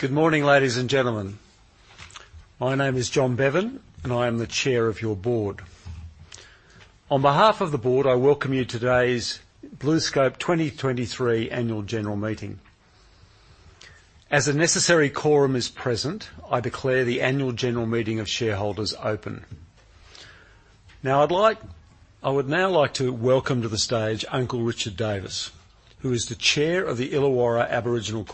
Good morning, ladies and gentlemen. My name is John Bevan, and I am the Chair of your board. On behalf of the board, I welcome you to today's BlueScope 2023 annual general meeting. As a necessary quorum is present, I declare the annual general meeting of shareholders open. I would now like to welcome to the stage Uncle Richard Davis, who is the Chair of the Illawarra Aboriginal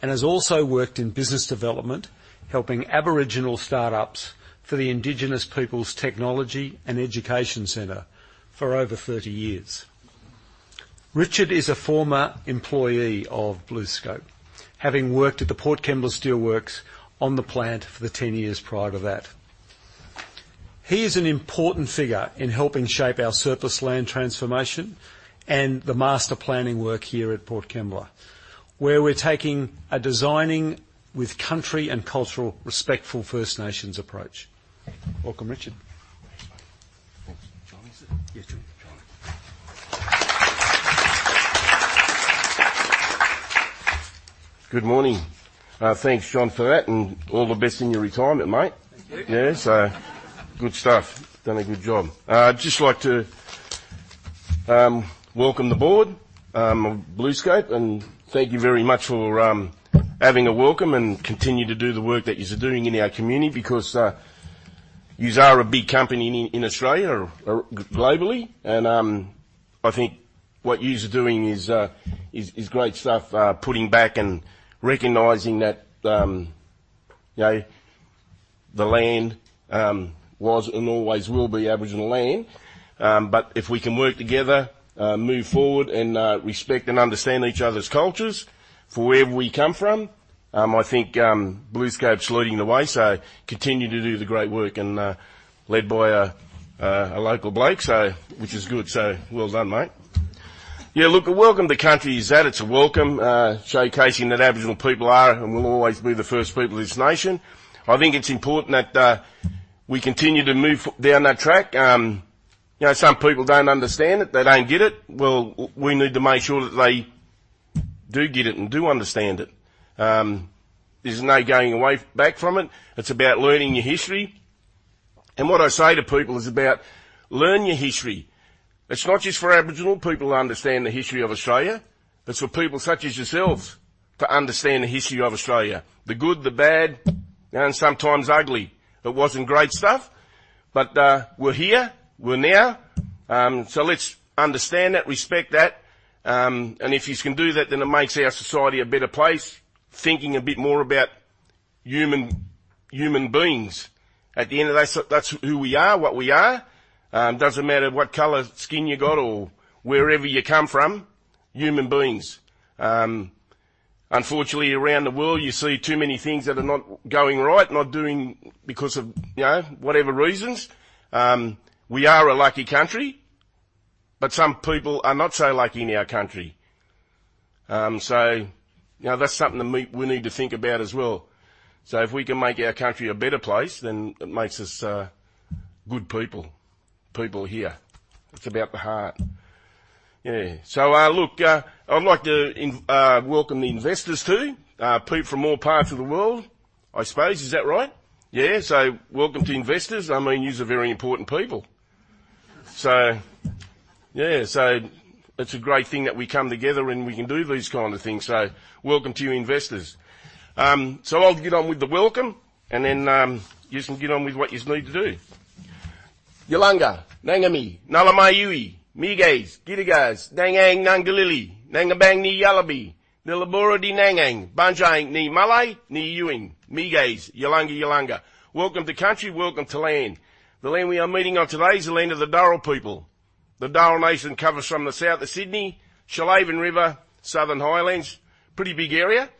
Corporation and has also worked in business development, helping Aboriginal startups for the Indigenous People's Technology and Education Centre for over 30 years. Richard is a former employee of BlueScope, having worked at the Port Kembla Steelworks on the plant for the 10 years prior to that. He is an important figure in helping shape our surplus land transformation and the master planning work here at Port Kembla, where we're taking a designing with country and cultural respectful First Nations approach. Welcome, Richard. Thanks, mate. Thanks, John, is it? Yes, John. John. Good morning. Thanks, John, for that, and all the best in your retirement, mate. Thank you. Yeah, so good stuff. Done a good job. I'd just like to welcome the board of BlueScope, and thank you very much for having a welcome, and continue to do the work that yous are doing in our community, because yous are a big company in Australia, or globally. And I think what yous are doing is great stuff, putting back and recognizing that, you know, the land was and always will be Aboriginal land. But if we can work together, move forward and respect and understand each other's cultures for wherever we come from, I think BlueScope's leading the way, so continue to do the great work and led by a local bloke, so which is good, so well done, mate. Yeah, look, a welcome to Country is that, it's a welcome, showcasing that Aboriginal people are and will always be the first people of this nation. I think it's important that we continue to move down that track. You know, some people don't understand it, they don't get it. Well, we need to make sure that they do get it and do understand it. There's no going away, back from it. It's about learning your history. And what I say to people is about, learn your history. It's not just for Aboriginal people to understand the history of Australia, it's for people such as yourselves to understand the history of Australia: the good, the bad, and sometimes ugly. It wasn't great stuff, but, we're here, we're now, so let's understand that, respect that, and if yous can do that, then it makes our society a better place, thinking a bit more about human, human beings. At the end of the day, that's, that's who we are, what we are. Doesn't matter what color skin you got or wherever you come from, human beings. Unfortunately, around the world, you see too many things that are not going right, not doing because of, you know, whatever reasons. We are a lucky country, but some people are not so lucky in our country. So, you know, that's something that we, we need to think about as well. So if we can make our country a better place, then it makes us, good people, people here. It's about the heart. Yeah. So, look, I'd like to welcome the investors, too, people from all parts of the world, I suppose. Is that right? Yeah, so welcome to investors. I mean, yous are very important people. So, yeah, so it's a great thing that we come together and we can do these kind of things, so welcome to you, investors. So, I'll get on with the welcome, and then, yous can get on with what yous need to do. Yolngu, Ngami, Nalamaiyuwi, Migas, Girigas, Dangang, Nungalili, Nangabang, Ni Yalabi, Nilabura di Nangang, Banjang ni Malay, ni Ewing, Migas, Yolngu Yolngu. Welcome to Country, welcome to land. The land we are meeting on today is the land of the Dharawal people. The Dharawal nation covers from the south of Sydney, Shoalhaven River, Southern Highlands, pretty big area.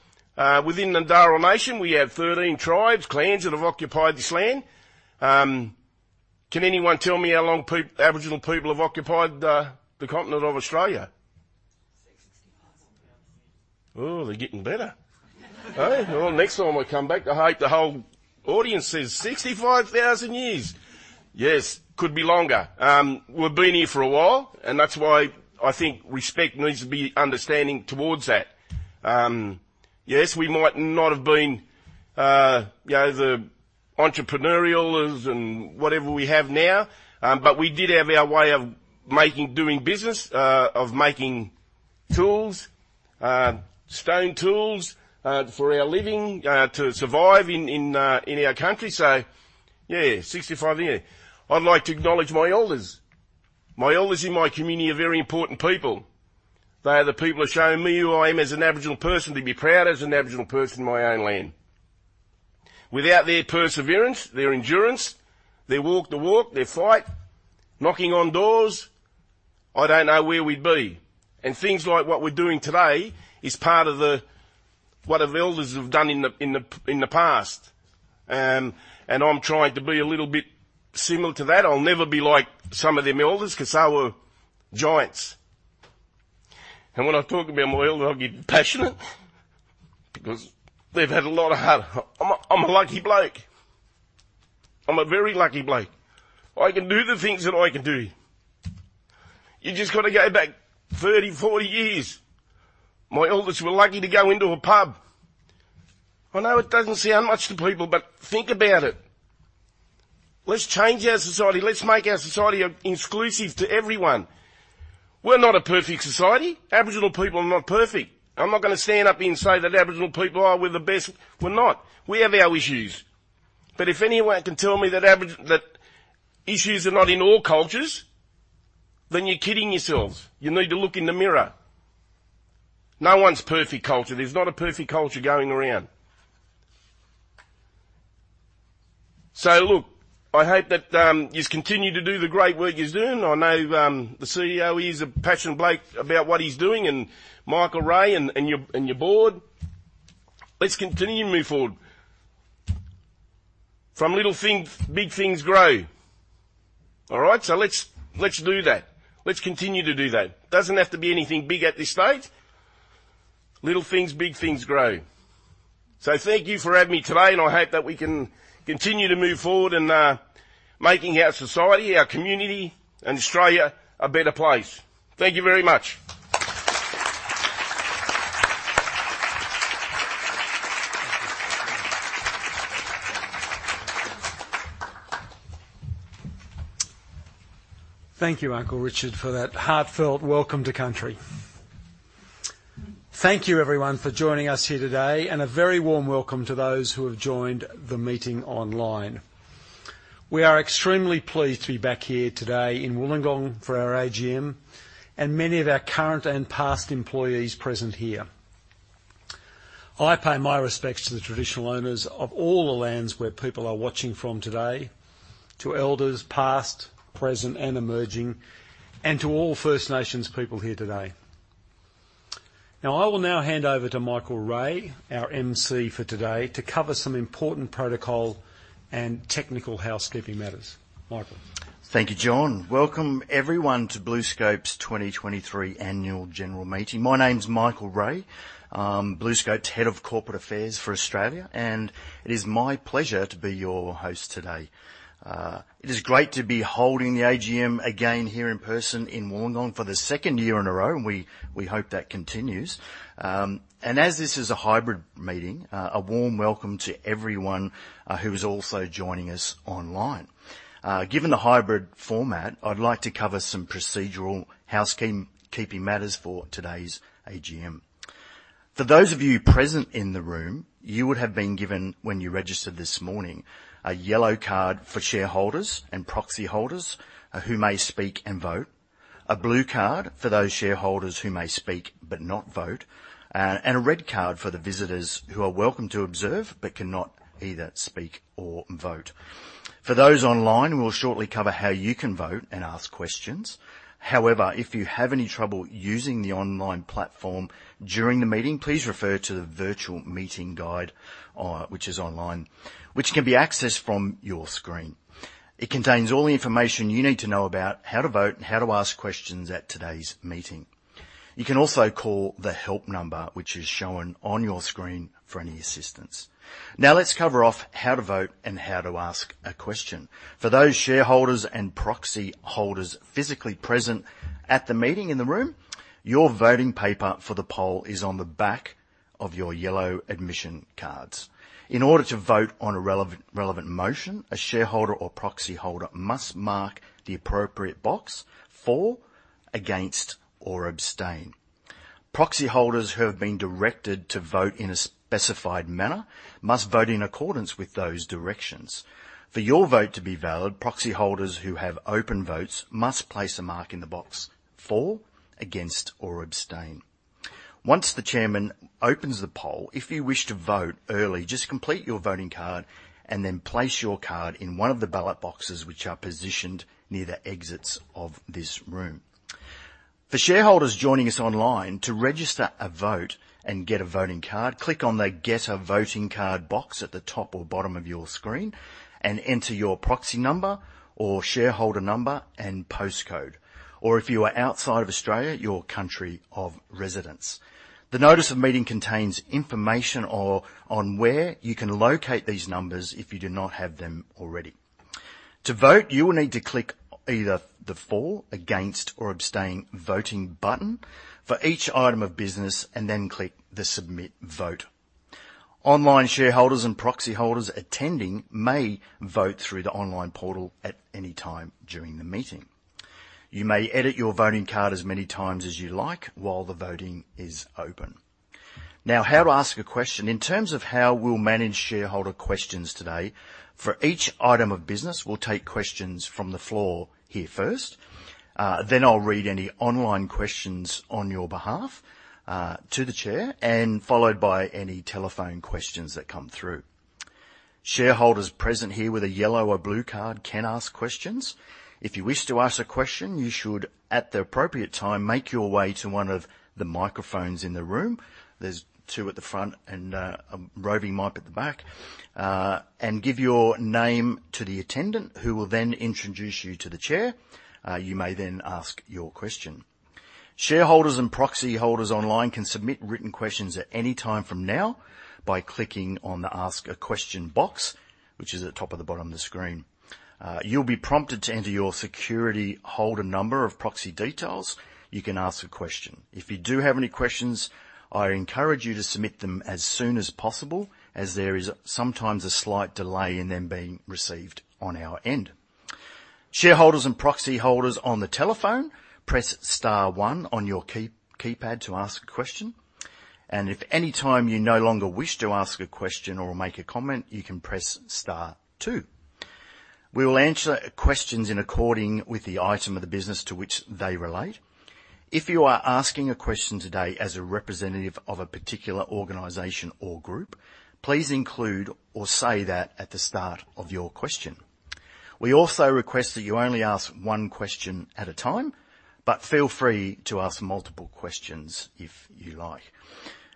Within the Dharawal nation, we have 13 tribes, clans that have occupied this land. Can anyone tell me how long Aboriginal people have occupied the continent of Australia? Sixty-five. Oh, they're getting better. Eh? Well, next time I come back, I hope the whole audience says 65,000 years! Yes, could be longer. We've been here for a while, and that's why I think respect needs to be understanding towards that. Yes, we might not have been, you know, the entrepreneurialists and whatever we have now, but we did have our way of making, doing business, of making tools, stone tools, for our living, to survive in our country. So yeah, 65 year. I'd like to acknowledge my elders. My elders in my community are very important people. They are the people who've shown me who I am as an Aboriginal person, to be proud as an Aboriginal person in my own land. Without their perseverance, their endurance, their walk the walk, their fight, knocking on doors, I don't know where we'd be. And things like what we're doing today is part of the... what the elders have done in the past. And I'm trying to be a little bit similar to that. I'll never be like some of them elders, 'cause they were giants. And when I talk about my elders, I get passionate, because they've had a lot of heart. I'm a lucky bloke. I'm a very lucky bloke. I can do the things that I can do-... You just got to go back 30, 40 years. My elders were lucky to go into a pub. I know it doesn't sound much to people, but think about it. Let's change our society. Let's make our society inclusive to everyone. We're not a perfect society. Aboriginal people are not perfect. I'm not going to stand up here and say that Aboriginal people, oh, we're the best. We're not. We have our issues. But if anyone can tell me that issues are not in all cultures, then you're kidding yourselves. You need to look in the mirror. No one's perfect culture. There's not a perfect culture going around. So look, I hope that yous continue to do the great work yous doing. I know the CEO, he's a passionate bloke about what he's doing, and Michael Reay and your board, let's continue to move forward. From little things, big things grow. All right? So let's do that. Let's continue to do that. Doesn't have to be anything big at this stage. Little things, big things grow. Thank you for having me today, and I hope that we can continue to move forward in making our society, our community, and Australia a better place. Thank you very much. Thank you, Uncle Richard, for that heartfelt welcome to Country. Thank you everyone for joining us here today, and a very warm welcome to those who have joined the meeting online. We are extremely pleased to be back here today in Wollongong for our AGM, and many of our current and past employees present here. I pay my respects to the traditional owners of all the lands where people are watching from today, to elders, past, present, and emerging, and to all First Nations people here today. Now, I will now hand over to Michael Reay, our MC for today, to cover some important protocol and technical housekeeping matters. Michael. Thank you, John. Welcome everyone, to BlueScope's 2023 annual general meeting. My name's Michael Reay, I'm BlueScope's Head of Corporate Affairs for Australia, and it is my pleasure to be your host today. It is great to be holding the AGM again here in person in Wollongong for the second year in a row, and we hope that continues. As this is a hybrid meeting, a warm welcome to everyone who is also joining us online. Given the hybrid format, I'd like to cover some procedural housekeeping matters for today's AGM. For those of you present in the room, you would have been given, when you registered this morning, a yellow card for shareholders and proxy holders, who may speak and vote. A blue card for those shareholders who may speak but not vote. And a red card for the visitors who are welcome to observe but cannot either speak or vote. For those online, we'll shortly cover how you can vote and ask questions. However, if you have any trouble using the online platform during the meeting, please refer to the virtual meeting guide, which is online, which can be accessed from your screen. It contains all the information you need to know about how to vote and how to ask questions at today's meeting. You can also call the help number, which is shown on your screen for any assistance. Now, let's cover off how to vote and how to ask a question. For those shareholders and proxy holders physically present at the meeting in the room, your voting paper for the poll is on the back of your yellow admission cards. In order to vote on a relevant motion, a shareholder or proxy holder must mark the appropriate box for, against, or abstain. Proxy holders who have been directed to vote in a specified manner must vote in accordance with those directions. For your vote to be valid, proxy holders who have open votes must place a mark in the box for, against, or abstain. Once the chairman opens the poll, if you wish to vote early, just complete your voting card and then place your card in one of the ballot boxes, which are positioned near the exits of this room. For shareholders joining us online, to register a vote and get a voting card, click on the Get a Voting Card box at the top or bottom of your screen, and enter your proxy number or shareholder number and postcode. Or if you are outside of Australia, your country of residence. The notice of meeting contains information on where you can locate these numbers if you do not have them already. To vote, you will need to click either the for, against, or abstain voting button for each item of business, and then click the Submit Vote. Online shareholders and proxy holders attending may vote through the online portal at any time during the meeting. You may edit your voting card as many times as you like while the voting is open. Now, how to ask a question. In terms of how we'll manage shareholder questions today, for each item of business, we'll take questions from the floor here first, then I'll read any online questions on your behalf to the Chair, and followed by any telephone questions that come through. Shareholders present here with a yellow or blue card can ask questions. If you wish to ask a question, you should, at the appropriate time, make your way to one of the microphones in the room. There's two at the front and a roving mic at the back. And give your name to the attendant, who will then introduce you to the Chair. You may then ask your question. Shareholders and proxy holders online can submit written questions at any time from now by clicking on the Ask a Question box, which is at the top of the bottom of the screen. You'll be prompted to enter your security holder number or proxy details. You can ask a question. If you do have any questions, I encourage you to submit them as soon as possible, as there is sometimes a slight delay in them being received on our end. Shareholders and proxy holders on the telephone, press star one on your keypad to ask a question, and at any time you no longer wish to ask a question or make a comment, you can press star two. We will answer questions in accordance with the item of the business to which they relate. If you are asking a question today as a representative of a particular organization or group, please include or say that at the start of your question. We also request that you only ask one question at a time, but feel free to ask multiple questions if you like.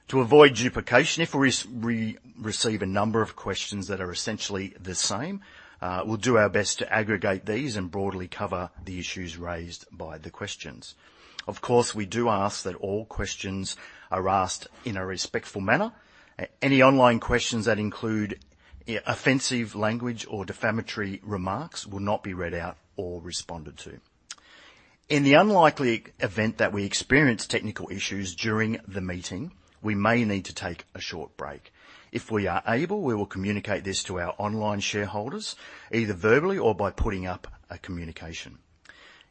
To avoid duplication, if we receive a number of questions that are essentially the same, we'll do our best to aggregate these and broadly cover the issues raised by the questions. Of course, we do ask that all questions are asked in a respectful manner. Any online questions that include offensive language or defamatory remarks will not be read out or responded to. In the unlikely event that we experience technical issues during the meeting, we may need to take a short break. If we are able, we will communicate this to our online shareholders, either verbally or by putting up a communication.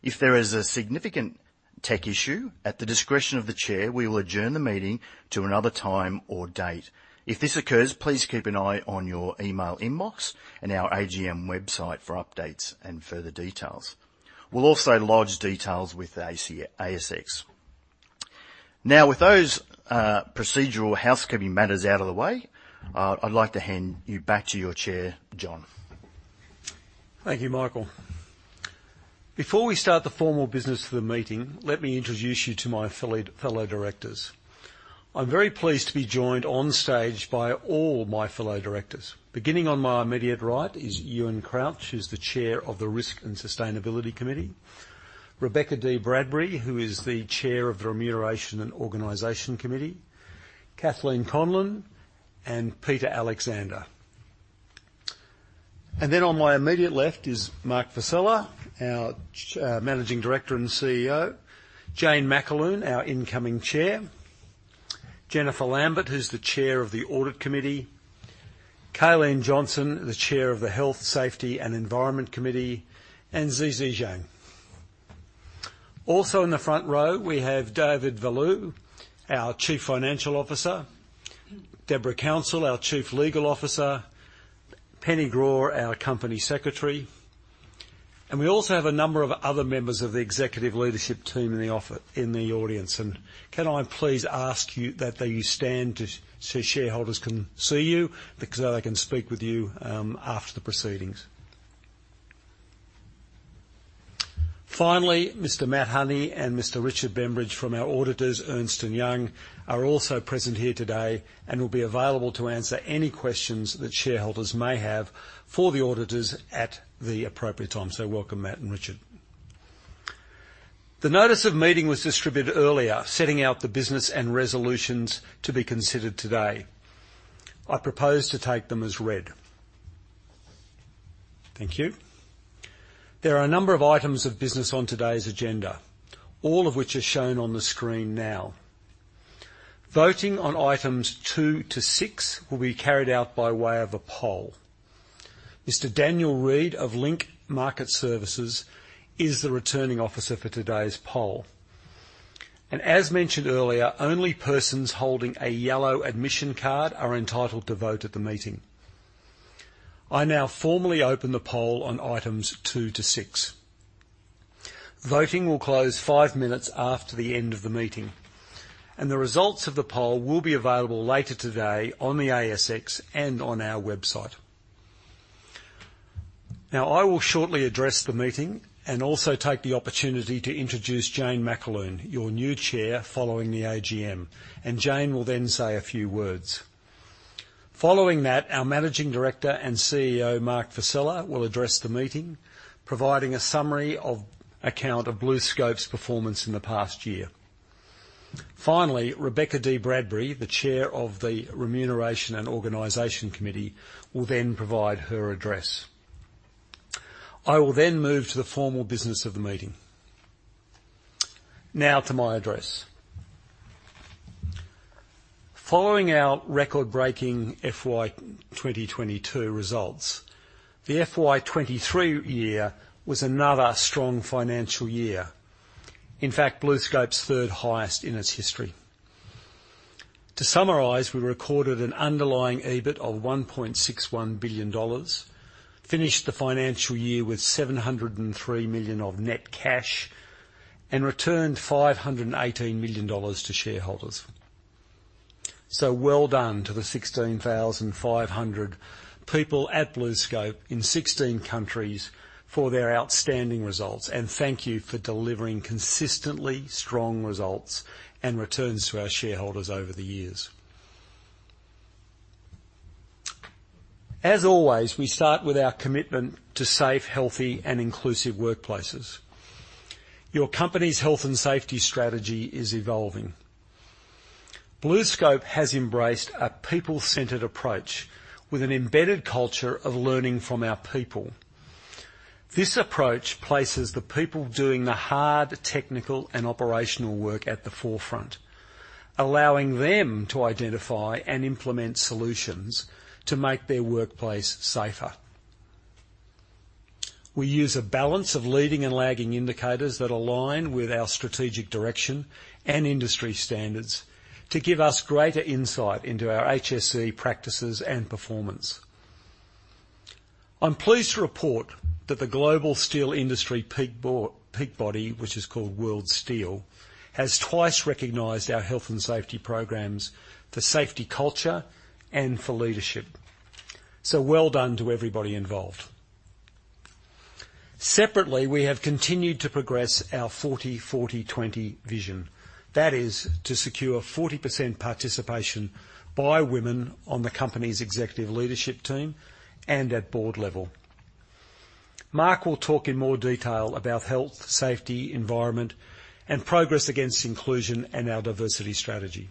If there is a significant tech issue, at the discretion of the chair, we will adjourn the meeting to another time or date. If this occurs, please keep an eye on your email inbox and our AGM website for updates and further details. We'll also lodge details with the ASIC, ASX. Now, with those procedural housekeeping matters out of the way, I'd like to hand you back to your chair, John. Thank you, Michael. Before we start the formal business of the meeting, let me introduce you to my fellow directors. I'm very pleased to be joined on stage by all my fellow directors. Beginning on my immediate right is Ewen Crouch, who's the chair of the Risk and Sustainability Committee, Rebecca Dee-Bradbury, who is the chair of the Remuneration and Organization Committee, Kathleen Conlon and Peter Alexander. Then on my immediate left is Mark Vassella, our Managing Director and CEO, Jane McAloon, our incoming chair, Jennifer Lambert, who's the chair of the Audit Committee, K'Lynne Johnson, the chair of the Health, Safety and Environment Committee, and ZhiQiang Zhang. Also in the front row, we have David Fallu, our Chief Financial Officer, Debra Counsell, our Chief Legal Officer, Penny Raw, our Company Secretary, and we also have a number of other members of the executive leadership team in the office, in the audience. Can I please ask you that you stand to, so shareholders can see you, because they can speak with you, after the proceedings? Finally, Mr. Matt Honey and Mr. Richard Bembridge from our auditors, Ernst & Young, are also present here today and will be available to answer any questions that shareholders may have for the auditors at the appropriate time. Welcome, Matt and Richard. The notice of meeting was distributed earlier, setting out the business and resolutions to be considered today. I propose to take them as read. Thank you. There are a number of items of business on today's agenda, all of which are shown on the screen now. Voting on items two to six will be carried out by way of a poll. Mr. Daniel Reid of Link Market Services is the Returning Officer for today's poll. As mentioned earlier, only persons holding a yellow admission card are entitled to vote at the meeting. I now formally open the poll on items two to six. Voting will close five minutes after the end of the meeting, and the results of the poll will be available later today on the ASX and on our website. Now, I will shortly address the meeting and also take the opportunity to introduce Jane McAloon, your new Chair, following the AGM, and Jane will then say a few words. Following that, our Managing Director and CEO, Mark Vassella, will address the meeting, providing a summary of account of BlueScope's performance in the past year. Finally, Rebecca Dee-Bradbury, the chair of the Remuneration and Organization Committee, will then provide her address. I will then move to the formal business of the meeting. Now to my address. Following our record-breaking FY2022 results, the FY23 year was another strong financial year. In fact, BlueScope's third highest in its history. To summarize, we recorded an underlying EBIT of 1.61 billion dollars, finished the financial year with 703 million of net cash, and returned 518 million dollars to shareholders. So well done to the 16,500 people at BlueScope in 16 countries for their outstanding results, and thank you for delivering consistently strong results and returns to our shareholders over the years. As always, we start with our commitment to safe, healthy, and inclusive workplaces. Your company's health and safety strategy is evolving. BlueScope has embraced a people-centered approach with an embedded culture of learning from our people. This approach places the people doing the hard technical and operational work at the forefront, allowing them to identify and implement solutions to make their workplace safer. We use a balance of leading and lagging indicators that align with our strategic direction and industry standards to give us greater insight into our HSE practices and performance. I'm pleased to report that the global steel industry peak body, which is called World Steel, has twice recognized our health and safety programs for safety culture and for leadership. So well done to everybody involved. Separately, we have continued to progress our 40/40/20 vision. That is, to secure 40% participation by women on the company's executive leadership team and at board level. Mark will talk in more detail about health, safety, environment, and progress against inclusion and our diversity strategy.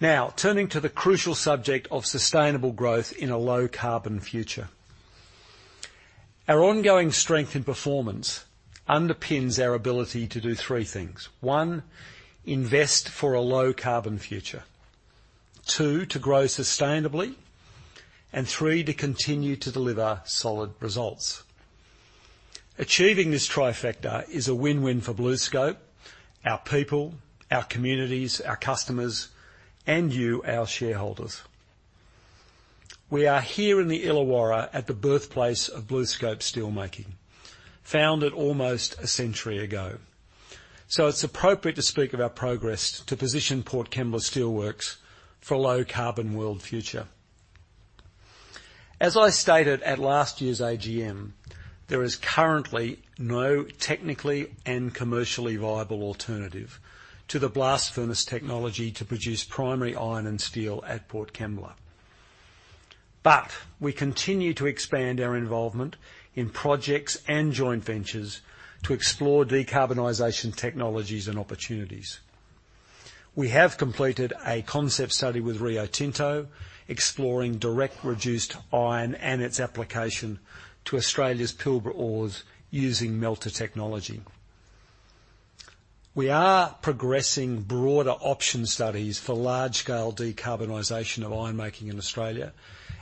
Now, turning to the crucial subject of sustainable growth in a low-carbon future. Our ongoing strength and performance underpins our ability to do three things: one, invest for a low-carbon future; two, to grow sustainably; and three, to continue to deliver solid results. Achieving this trifecta is a win-win for BlueScope, our people, our communities, our customers, and you, our shareholders. We are here in the Illawarra at the birthplace of BlueScope steelmaking, founded almost a century ago, so it's appropriate to speak of our progress to position Port Kembla Steelworks for a low-carbon world future. As I stated at last year's AGM, there is currently no technically and commercially viable alternative to the blast furnace technology to produce primary iron and steel at Port Kembla. But we continue to expand our involvement in projects and joint ventures to explore decarbonization technologies and opportunities. We have completed a concept study with Rio Tinto, exploring direct-reduced iron and its application to Australia's Pilbara ores using Melter technology. We are progressing broader option studies for large-scale decarbonization of ironmaking in Australia,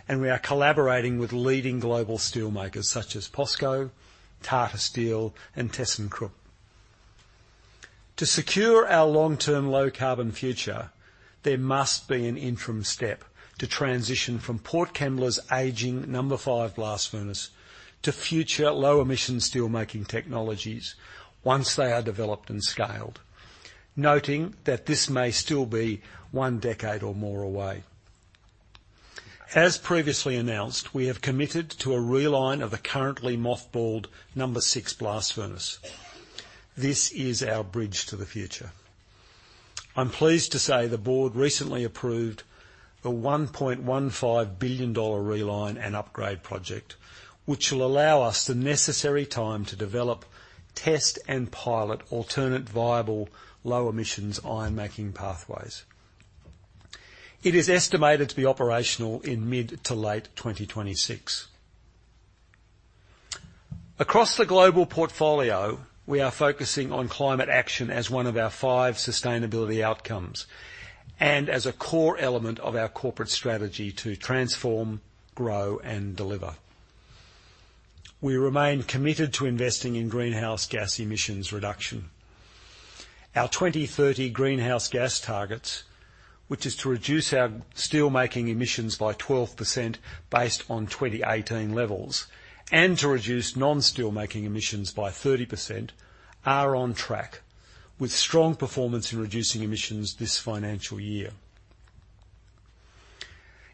and we are collaborating with leading global steelmakers such as POSCO, Tata Steel, and ThyssenKrupp. To secure our long-term, low-carbon future, there must be an interim step to transition from Port Kembla's aging number five Blast Furnace to future low-emission steelmaking technologies once they are developed and scaled, noting that this may still be one decade or more away. As previously announced, we have committed to a reline of the currently mothballed number six Blast Furnace. This is our bridge to the future. I'm pleased to say the board recently approved the 1.15 billion dollar reline and upgrade project, which will allow us the necessary time to develop, test, and pilot alternate, viable, low-emissions ironmaking pathways. It is estimated to be operational in mid to late 2026. Across the global portfolio, we are focusing on climate action as one of our five sustainability outcomes and as a core element of our corporate strategy to transform, grow, and deliver. We remain committed to investing in greenhouse gas emissions reduction. Our 2030 greenhouse gas targets, which is to reduce our steelmaking emissions by 12% based on 2018 levels, and to reduce non-steelmaking emissions by 30%, are on track, with strong performance in reducing emissions this financial year.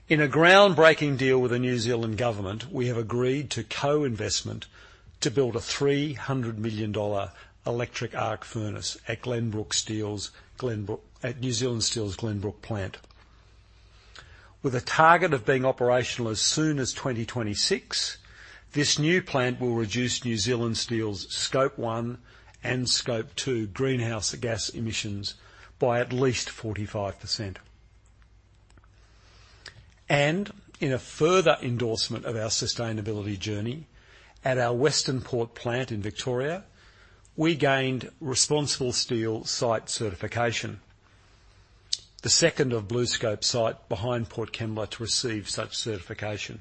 In a groundbreaking deal with the New Zealand government, we have agreed to co-investment to build a 300 million dollar electric arc furnace at New Zealand Steel's Glenbrook plant. With a target of being operational as soon as 2026, this new plant will reduce New Zealand Steel's Scope One and Scope Two greenhouse gas emissions by at least 45%. In a further endorsement of our sustainability journey, at our Western Port plant in Victoria, we gained ResponsibleSteel site certification, the second of BlueScope's site behind Port Kembla to receive such certification.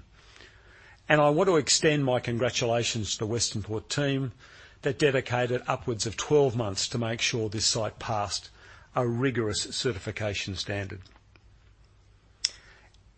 I want to extend my congratulations to the Western Port team that dedicated upwards of 12 months to make sure this site passed a rigorous certification standard.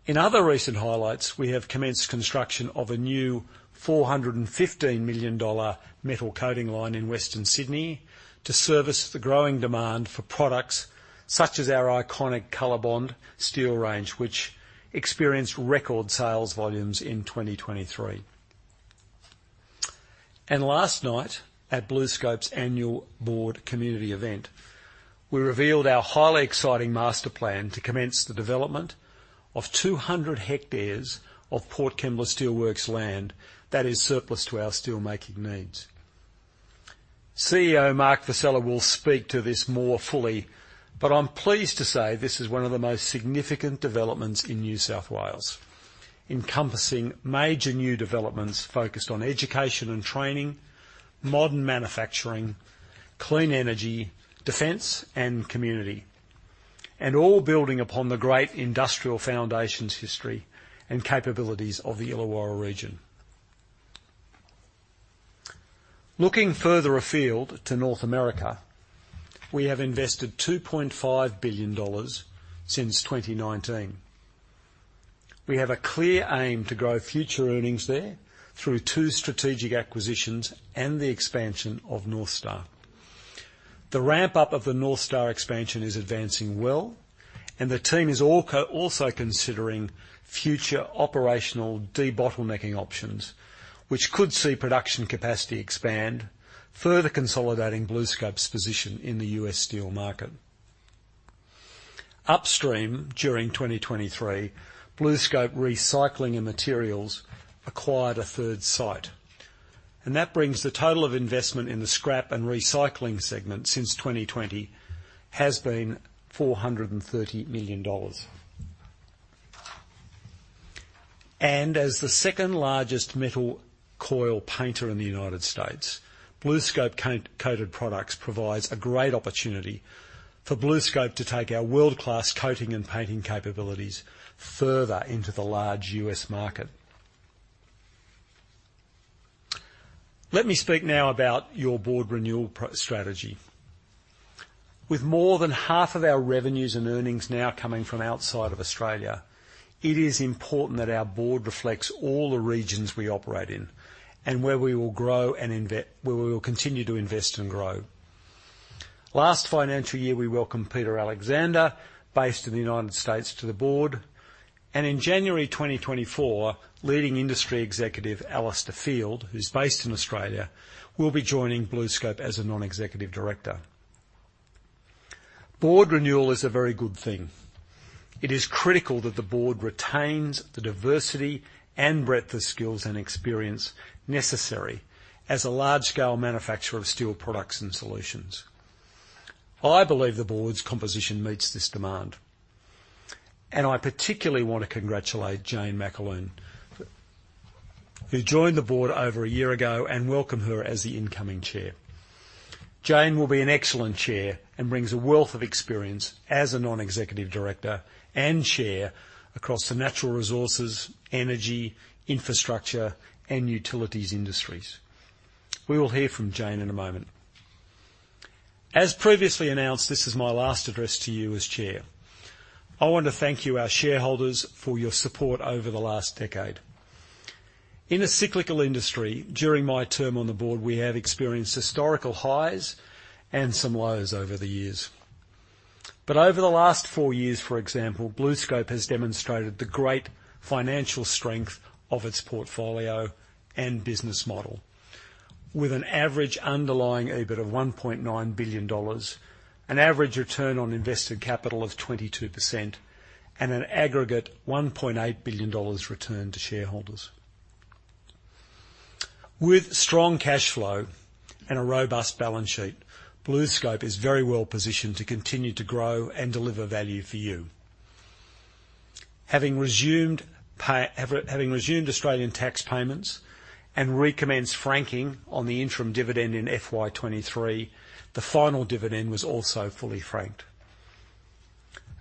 In other recent highlights, we have commenced construction of a new 415 million dollar metal coating line in Western Sydney to service the growing demand for products such as our iconic COLORBOND steel range, which experienced record sales volumes in 2023. Last night, at BlueScope's annual board community event, we revealed our highly exciting master plan to commence the development of 200 hectares of Port Kembla Steelworks land that is surplus to our steelmaking needs. CEO Mark Vassella will speak to this more fully, but I'm pleased to say this is one of the most significant developments in New South Wales, encompassing major new developments focused on education and training, modern manufacturing, clean energy, defense, and community, and all building upon the great industrial foundations, history, and capabilities of the Illawarra region. Looking further afield to North America, we have invested $2.5 billion since 2019. We have a clear aim to grow future earnings there through two strategic acquisitions and the expansion of North Star. The ramp-up of the North Star expansion is advancing well, and the team is also considering future operational debottlenecking options, which could see production capacity expand, further consolidating BlueScope's position in the U.S. steel market. Upstream, during 2023, BlueScope Recycling and Materials acquired a third site, and that brings the total of investment in the scrap and recycling segment since 2020 has been $430 million. As the second-largest metal coil painter in the United States, BlueScope Coated Products provides a great opportunity for BlueScope to take our world-class coating and painting capabilities further into the large U.S. market. Let me speak now about your board renewal strategy. With more than half of our revenues and earnings now coming from outside of Australia, it is important that our board reflects all the regions we operate in, and where we will grow and invest, where we will continue to invest and grow. Last financial year, we welcomed Peter Alexander, based in the United States, to the board, and in January 2024, leading industry executive Alistair Field, who's based in Australia, will be joining BlueScope as a non-executive director. Board renewal is a very good thing. It is critical that the board retains the diversity and breadth of skills and experience necessary as a large-scale manufacturer of steel products and solutions. I believe the board's composition meets this demand, and I particularly want to congratulate Jane McAloon, who joined the board over a year ago, and welcome her as the incoming chair. Jane will be an excellent chair and brings a wealth of experience as a non-executive director and chair across the natural resources, energy, infrastructure, and utilities industries. We will hear from Jane in a moment. As previously announced, this is my last address to you as chair. I want to thank you, our shareholders, for your support over the last decade. In a cyclical industry, during my term on the board, we have experienced historical highs and some lows over the years. But over the last four years, for example, BlueScope has demonstrated the great financial strength of its portfolio and business model, with an average Underlying EBIT of 1.9 billion dollars, an average return on invested capital of 22%, and an aggregate AUD 1.8 billion returned to shareholders. With strong cash flow and a robust balance sheet, BlueScope is very well positioned to continue to grow and deliver value for you. Having resumed Australian tax payments and recommenced franking on the interim dividend in FY 2023, the final dividend was also fully franked.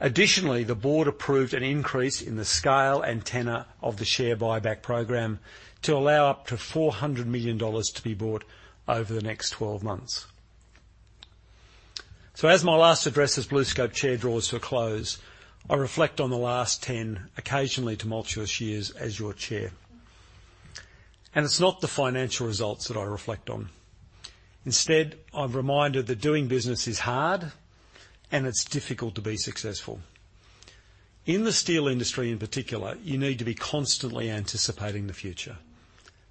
Additionally, the board approved an increase in the scale and tenure of the share buyback program to allow up to 400 million dollars to be bought over the next 12 months. So as my last address as BlueScope Chair draws to a close, I reflect on the last 10 occasionally tumultuous years as your Chair, and it's not the financial results that I reflect on. Instead, I'm reminded that doing business is hard, and it's difficult to be successful. In the steel industry, in particular, you need to be constantly anticipating the future.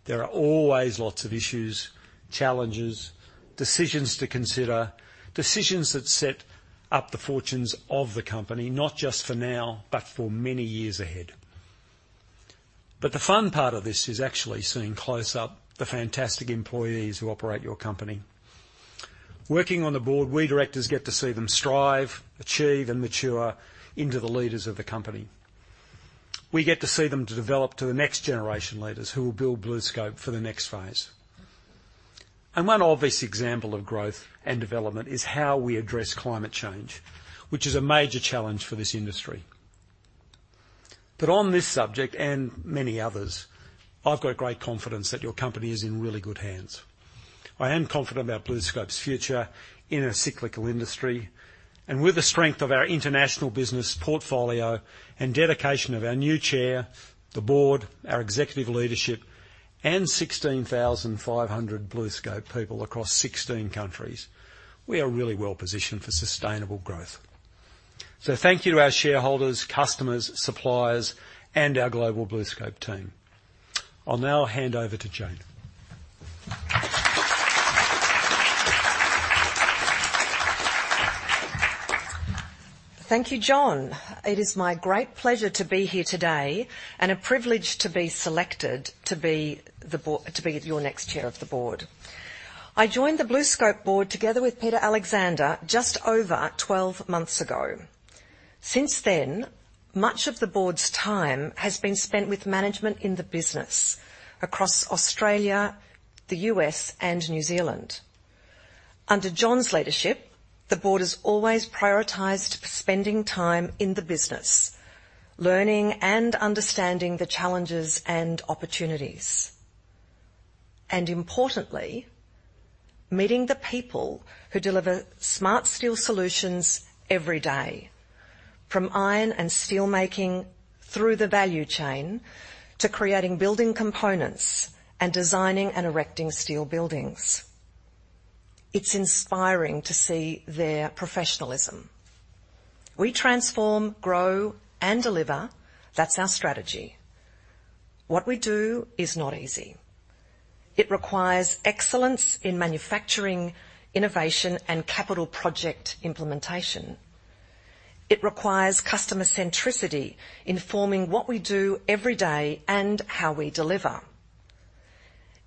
There are always lots of issues, challenges, decisions to consider, decisions that set up the fortunes of the company, not just for now, but for many years ahead. But the fun part of this is actually seeing close up the fantastic employees who operate your company. Working on the board, we directors get to see them strive, achieve, and mature into the leaders of the company. We get to see them to develop to the next generation leaders, who will build BlueScope for the next phase. One obvious example of growth and development is how we address climate change, which is a major challenge for this industry. On this subject, and many others, I've got great confidence that your company is in really good hands. I am confident about BlueScope's future in a cyclical industry, and with the strength of our international business portfolio and dedication of our new chair, the board, our executive leadership, and 16,500 BlueScope people across 16 countries, we are really well positioned for sustainable growth. Thank you to our shareholders, customers, suppliers, and our global BlueScope team. I'll now hand over to Jane. Thank you, John. It is my great pleasure to be here today and a privilege to be selected to be your next chair of the board. I joined the BlueScope board, together with Peter Alexander, just over 12 months ago. Since then, much of the board's time has been spent with management in the business across Australia, the U.S., and New Zealand. Under John's leadership, the board has always prioritized spending time in the business, learning and understanding the challenges and opportunities, and importantly, meeting the people who deliver smart steel solutions every day, from iron and steel making, through the value chain, to creating building components and designing and erecting steel buildings. It's inspiring to see their professionalism. We transform, grow, and deliver. That's our strategy. What we do is not easy. It requires excellence in manufacturing, innovation, and capital project implementation. It requires customer centricity, informing what we do every day and how we deliver.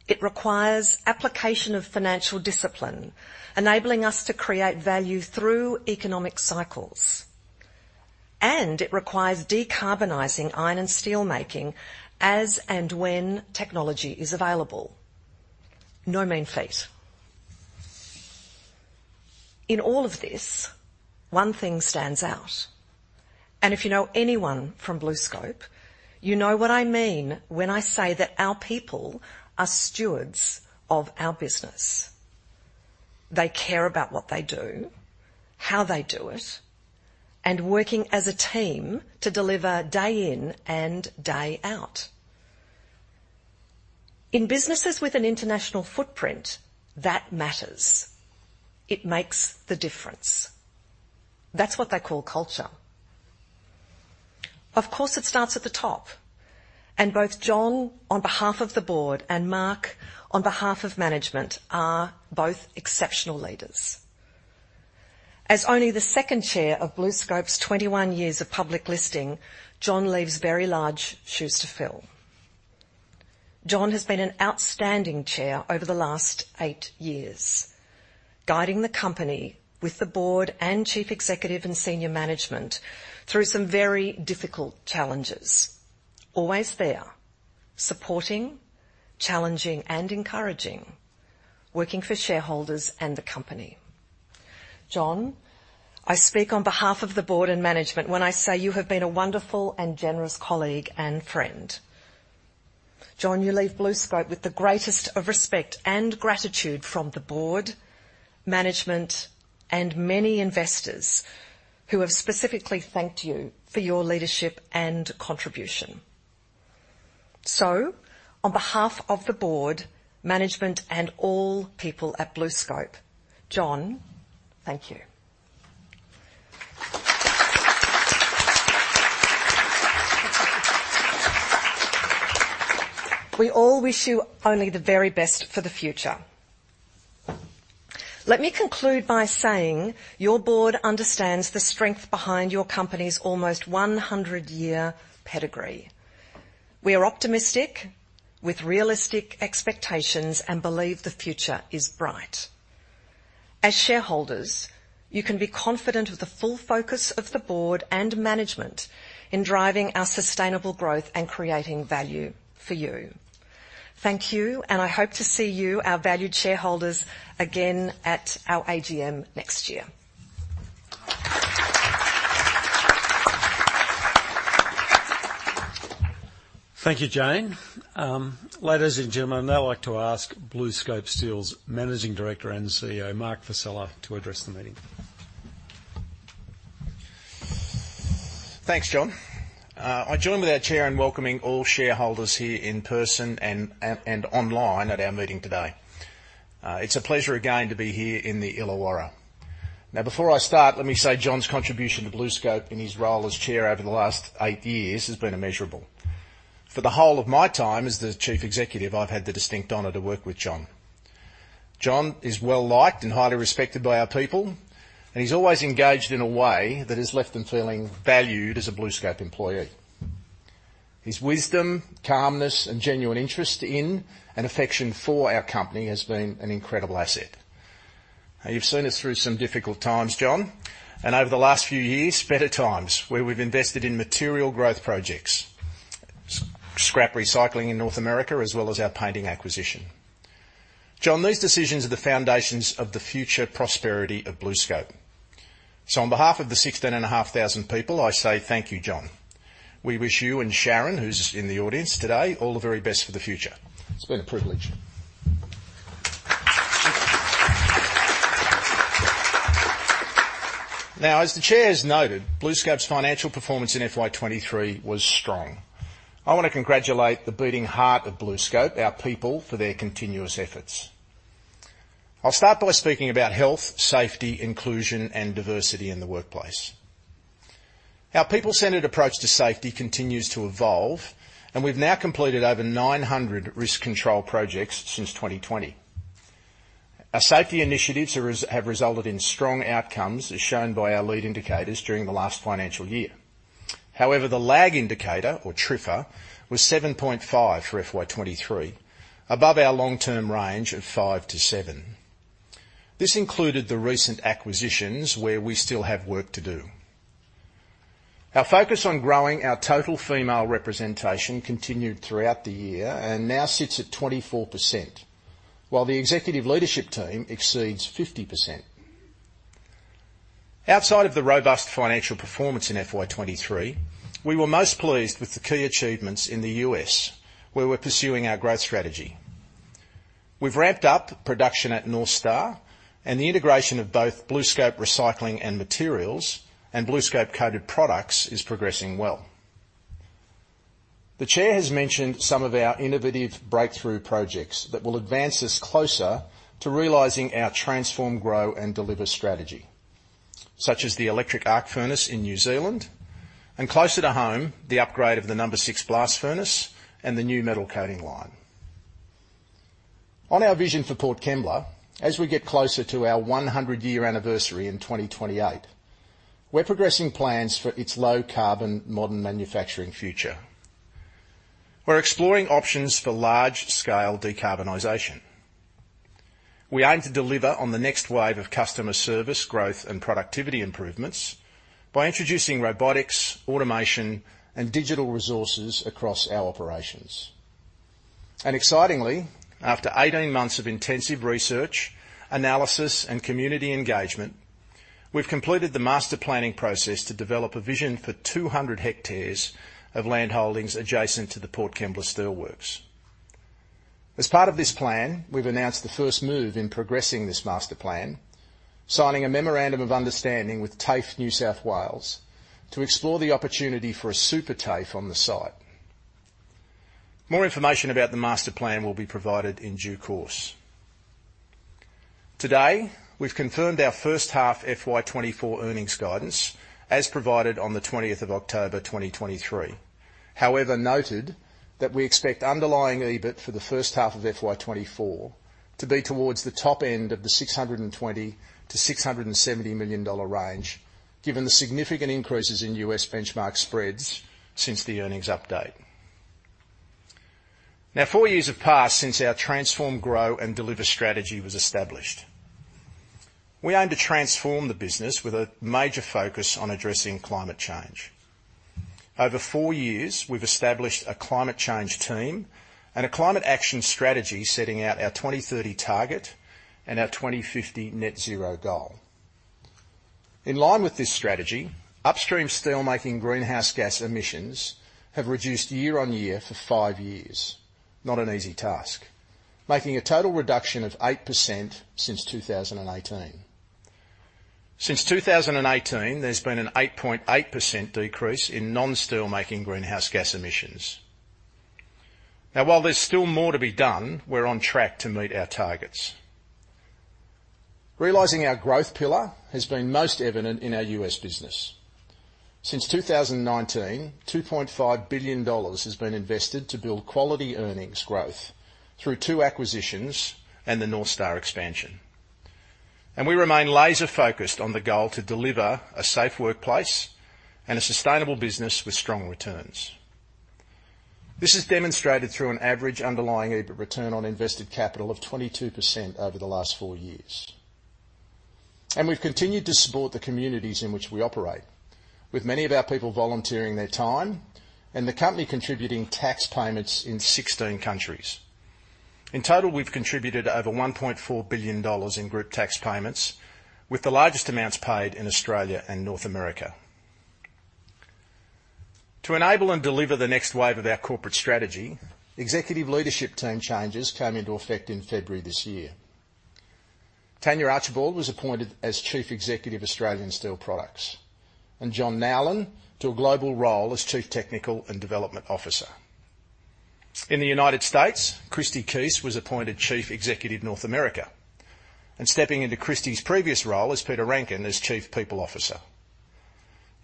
It requires application of financial discipline, enabling us to create value through economic cycles, and it requires decarbonizing iron and steelmaking as and when technology is available. No mean feat. In all of this, one thing stands out, and if you know anyone from BlueScope, you know what I mean when I say that our people are stewards of our business. They care about what they do, how they do it, and working as a team to deliver day in and day out. In businesses with an international footprint, that matters. It makes the difference. That's what they call culture. Of course, it starts at the top, and both John, on behalf of the board, and Mark, on behalf of management, are both exceptional leaders. As only the second chair of BlueScope's 21 years of public listing, John leaves very large shoes to fill. John has been an outstanding chair over the last 8 years, guiding the company with the board and Chief Executive and senior management through some very difficult challenges. Always there, supporting, challenging, and encouraging, working for shareholders and the company. John, I speak on behalf of the board and management when I say you have been a wonderful and generous colleague and friend. John, you leave BlueScope with the greatest of respect and gratitude from the board, management, and many investors who have specifically thanked you for your leadership and contribution. So on behalf of the board, management, and all people at BlueScope, John, thank you. We all wish you only the very best for the future. Let me conclude by saying your board understands the strength behind your company's almost 100-year pedigree. We are optimistic, with realistic expectations, and believe the future is bright. As shareholders, you can be confident of the full focus of the board and management in driving our sustainable growth and creating value for you. Thank you, and I hope to see you, our valued shareholders, again at our AGM next year. Thank you, Jane. Ladies and gentlemen, I'd now like to ask BlueScope Steel's Managing Director and CEO, Mark Vassella, to address the meeting. Thanks, John. I join with our chair in welcoming all shareholders here in person and online at our meeting today. It's a pleasure again to be here in the Illawarra. Now, before I start, let me say John's contribution to BlueScope in his role as chair over the last eight years has been immeasurable. For the whole of my time as the Chief Executive, I've had the distinct honor to work with John. John is well-liked and highly respected by our people, and he's always engaged in a way that has left them feeling valued as a BlueScope employee. His wisdom, calmness, and genuine interest in and affection for our company has been an incredible asset. Now, you've seen us through some difficult times, John, and over the last few years, better times, where we've invested in material growth projects, scrap recycling in North America, as well as our painting acquisition. John, these decisions are the foundations of the future prosperity of BlueScope. So on behalf of the 16,500 people, I say thank you, John. We wish you and Sharon, who's in the audience today, all the very best for the future. It's been a privilege. Now, as the chair has noted, BlueScope's financial performance in FY 2023 was strong. I want to congratulate the beating heart of BlueScope, our people, for their continuous efforts.... I'll start by speaking about health, safety, inclusion, and diversity in the workplace. Our people-centered approach to safety continues to evolve, and we've now completed over 900 risk control projects since 2020. Our safety initiatives have resulted in strong outcomes, as shown by our leading indicators during the last financial year. However, the lag indicator, or TRIFR, was 7.5 for FY 2023, above our long-term range of 5-7. This included the recent acquisitions, where we still have work to do. Our focus on growing our total female representation continued throughout the year and now sits at 24%, while the executive leadership team exceeds 50%. Outside of the robust financial performance in FY 2023, we were most pleased with the key achievements in the U.S., where we're pursuing our growth strategy. We've ramped up production at North Star, and the integration of both BlueScope Recycling and Materials and BlueScope Coated Products is progressing well. The chair has mentioned some of our innovative breakthrough projects that will advance us closer to realizing our transform, grow, and deliver strategy, such as the Electric Arc Furnace in New Zealand, and closer to home, the upgrade of the number 6 Blast Furnace and the new Metal Coating Line. On our vision for Port Kembla, as we get closer to our 100-year anniversary in 2028, we're progressing plans for its low-carbon, modern manufacturing future. We're exploring options for large-scale decarbonization. We aim to deliver on the next wave of customer service, growth, and productivity improvements by introducing robotics, automation, and digital resources across our operations. Excitingly, after 18 months of intensive research, analysis, and community engagement, we've completed the master planning process to develop a vision for 200 hectares of land holdings adjacent to the Port Kembla Steelworks. As part of this plan, we've announced the first move in progressing this master plan, signing a memorandum of understanding with TAFE New South Wales to explore the opportunity for a Super TAFE on the site. More information about the master plan will be provided in due course. Today, we've confirmed our first half FY 2024 earnings guidance, as provided on the 20th of October 2023. However, noted that we expect underlying EBIT for the first half of FY 2024 to be towards the top end of the 620 million-670 million dollar range, given the significant increases in US benchmark spreads since the earnings update. Now, 4 years have passed since our transform, grow, and deliver strategy was established. We aim to transform the business with a major focus on addressing climate change. Over 4 years, we've established a climate change team and a climate action strategy, setting out our 2030 target and our 2050 net zero goal. In line with this strategy, upstream steelmaking greenhouse gas emissions have reduced year-on-year for 5 years, not an easy task, making a total reduction of 8% since 2018. Since 2018, there's been an 8.8% decrease in non-steel making greenhouse gas emissions. Now, while there's still more to be done, we're on track to meet our targets. Realizing our growth pillar has been most evident in our U.S. business. Since 2019, $2.5 billion has been invested to build quality earnings growth through 2 acquisitions and the North Star expansion. And we remain laser-focused on the goal to deliver a safe workplace and a sustainable business with strong returns. This is demonstrated through an average Underlying EBIT return on invested capital of 22% over the last four years. We've continued to support the communities in which we operate, with many of our people volunteering their time and the company contributing tax payments in 16 countries. In total, we've contributed over 1.4 billion dollars in group tax payments, with the largest amounts paid in Australia and North America. To enable and deliver the next wave of our corporate strategy, executive leadership team changes came into effect in February this year. Tania Archibald was appointed as Chief Executive, Australian Steel Products, and John Nowlan to a global role as Chief Technical and Development Officer. In the United States, Kristie Keast was appointed Chief Executive, North America, and stepping into Kristy's previous role is Peter Rankin as Chief People Officer.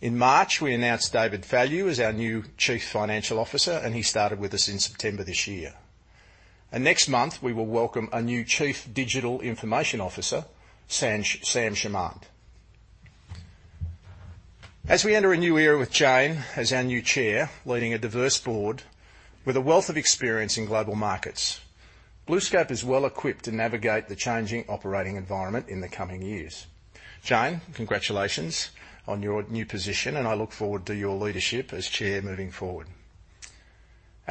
In March, we announced David Fallu as our new Chief Financial Officer, and he started with us in September this year. Next month, we will welcome a new Chief Digital Information Officer, Sam Charmand. As we enter a new era with Jane as our new Chair, leading a diverse board with a wealth of experience in global markets, BlueScope is well-equipped to navigate the changing operating environment in the coming years. Jane, congratulations on your new position, and I look forward to your leadership as Chair moving forward.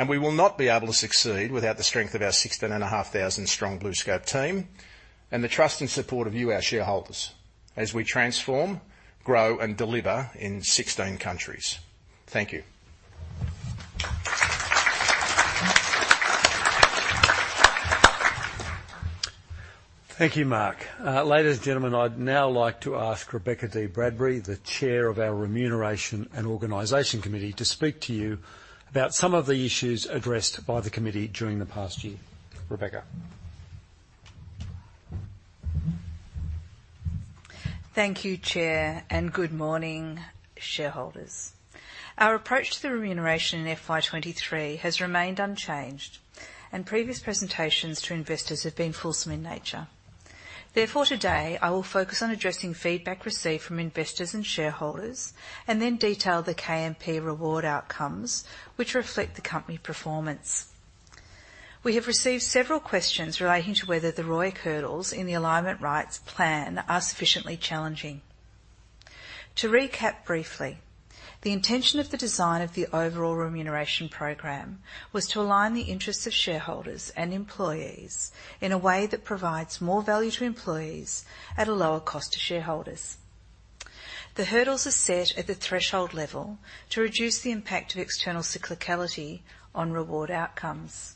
We will not be able to succeed without the strength of our 16,500-strong BlueScope team, and the trust and support of you, our shareholders, as we transform, grow, and deliver in 16 countries. Thank you. Thank you, Mark.... ladies and gentlemen, I'd now like to ask Rebecca Dee-Bradbury, the Chair of our Remuneration and Organization Committee, to speak to you about some of the issues addressed by the committee during the past year. Rebecca? Thank you, Chair, and good morning, shareholders. Our approach to the remuneration in FY 23 has remained unchanged, and previous presentations to investors have been fulsome in nature. Therefore, today I will focus on addressing feedback received from investors and shareholders, and then detail the KMP reward outcomes, which reflect the company performance. We have received several questions relating to whether the ROIC hurdles in the alignment rights plan are sufficiently challenging. To recap briefly, the intention of the design of the overall remuneration program was to align the interests of shareholders and employees in a way that provides more value to employees at a lower cost to shareholders. The hurdles are set at the threshold level to reduce the impact of external cyclicality on reward outcomes.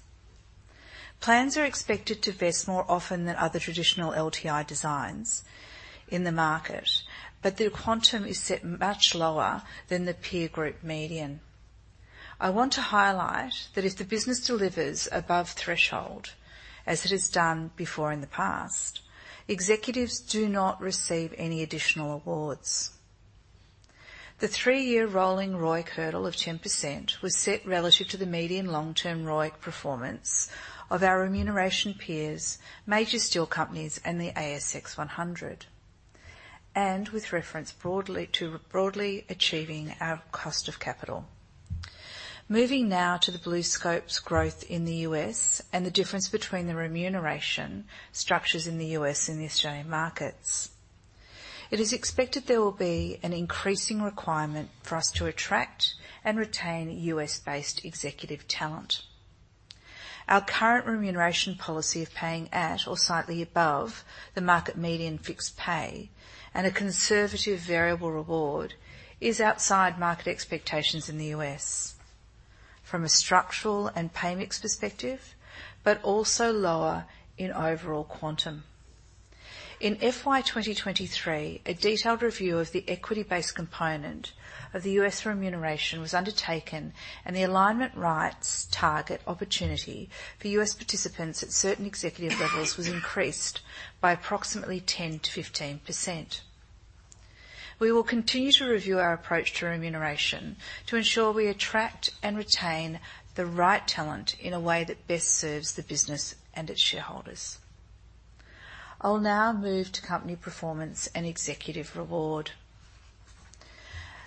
Plans are expected to vest more often than other traditional LTI designs in the market, but their quantum is set much lower than the peer group median. I want to highlight that if the business delivers above threshold, as it has done before in the past, executives do not receive any additional awards. The 3-year rolling ROIC hurdle of 10% was set relative to the median long-term ROIC performance of our remuneration peers, major steel companies, and the ASX 100, and with reference broadly, to broadly achieving our cost of capital. Moving now to the BlueScope's growth in the U.S. and the difference between the remuneration structures in the U.S. and the Australian markets. It is expected there will be an increasing requirement for us to attract and retain U.S.-based executive talent. Our current remuneration policy of paying at, or slightly above, the market median fixed pay and a conservative variable reward is outside market expectations in the US, from a structural and pay mix perspective, but also lower in overall quantum. In FY 2023, a detailed review of the equity-based component of the US remuneration was undertaken, and the alignment rights target opportunity for US participants at certain executive levels was increased by approximately 10%-15%. We will continue to review our approach to remuneration to ensure we attract and retain the right talent in a way that best serves the business and its shareholders. I'll now move to company performance and executive reward.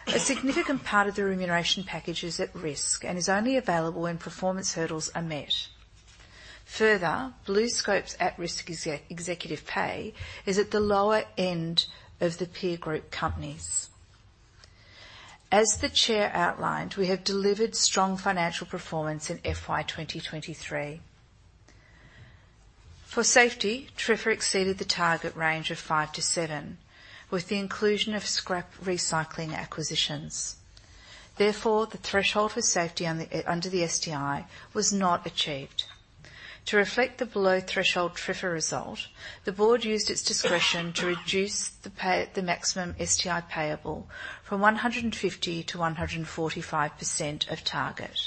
A significant part of the remuneration package is at risk and is only available when performance hurdles are met. Further, BlueScope's at-risk executive pay is at the lower end of the peer group companies. As the chair outlined, we have delivered strong financial performance in FY 2023. For safety, TRIFR exceeded the target range of 5-7, with the inclusion of scrap recycling acquisitions. Therefore, the threshold for safety on the under the STI was not achieved. To reflect the below-threshold TRIFR result, the board used its discretion to reduce the maximum STI payable from 150% to 145% of target.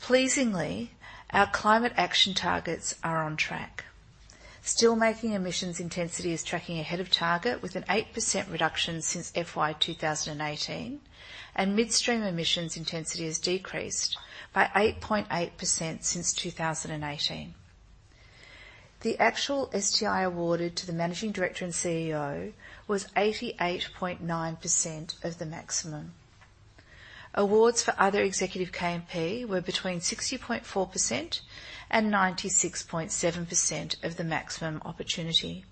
Pleasingly, our climate action targets are on track. Steelmaking emissions intensity is tracking ahead of target, with an 8% reduction since FY 2018, and midstream emissions intensity has decreased by 8.8% since 2018. The actual STI awarded to the Managing Director and CEO was 88.9% of the maximum. Awards for other executive KMP were between 60.4% and 96.7% of the maximum opportunity.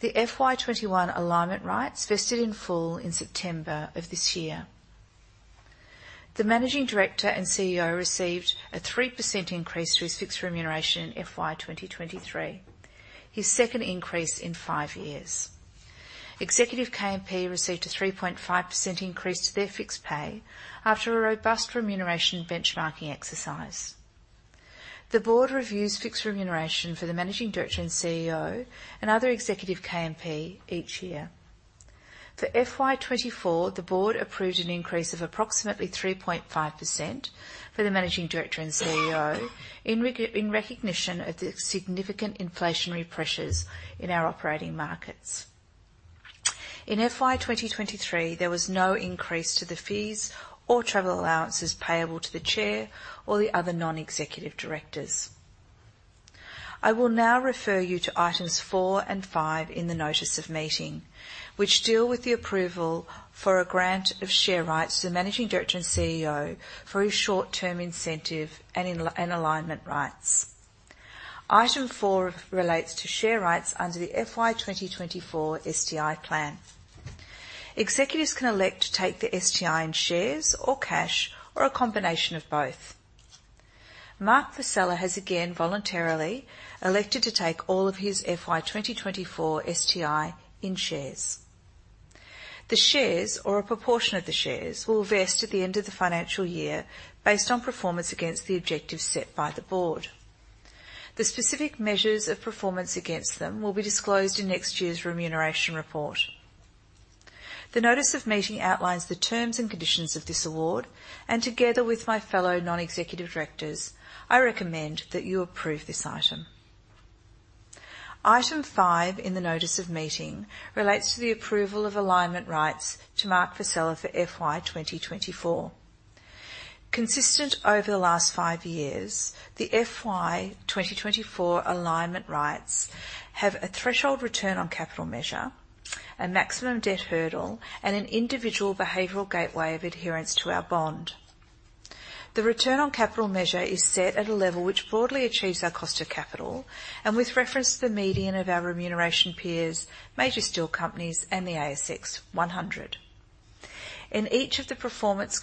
The FY 2021 alignment rights vested in full in September of this year. The Managing Director and CEO received a 3% increase to his fixed remuneration in FY 2023, his second increase in five years. Executive KMP received a 3.5% increase to their fixed pay after a robust remuneration benchmarking exercise. The board reviews fixed remuneration for the Managing Director and CEO and other executive KMP each year. For FY 2024, the board approved an increase of approximately 3.5% for the Managing Director and CEO, in recognition of the significant inflationary pressures in our operating markets. In FY 2023, there was no increase to the fees or travel allowances payable to the Chair or the other non-executive directors. I will now refer you to items four and five in the notice of meeting, which deal with the approval for a grant of share rights to the Managing Director and CEO for his short-term incentive and alignment rights. Item four relates to share rights under the FY 2024 STI plan. Executives can elect to take the STI in shares or cash, or a combination of both. Mark Vassella has again voluntarily elected to take all of his FY 2024 STI in shares.... The shares or a proportion of the shares will vest at the end of the financial year based on performance against the objectives set by the board. The specific measures of performance against them will be disclosed in next year's remuneration report. The notice of meeting outlines the terms and conditions of this award, and together with my fellow non-executive directors, I recommend that you approve this item. Item five in the notice of meeting relates to the approval of Alignment Rights to Mark Vassella for FY 2024. Consistent over the last five years, the FY 2024 Alignment Rights have a threshold return on capital measure, a maximum debt hurdle, and an individual behavioral gateway of adherence to our bond. The return on capital measure is set at a level which broadly achieves our cost of capital, and with reference to the median of our remuneration peers, major steel companies, and the ASX 100. If each of the performance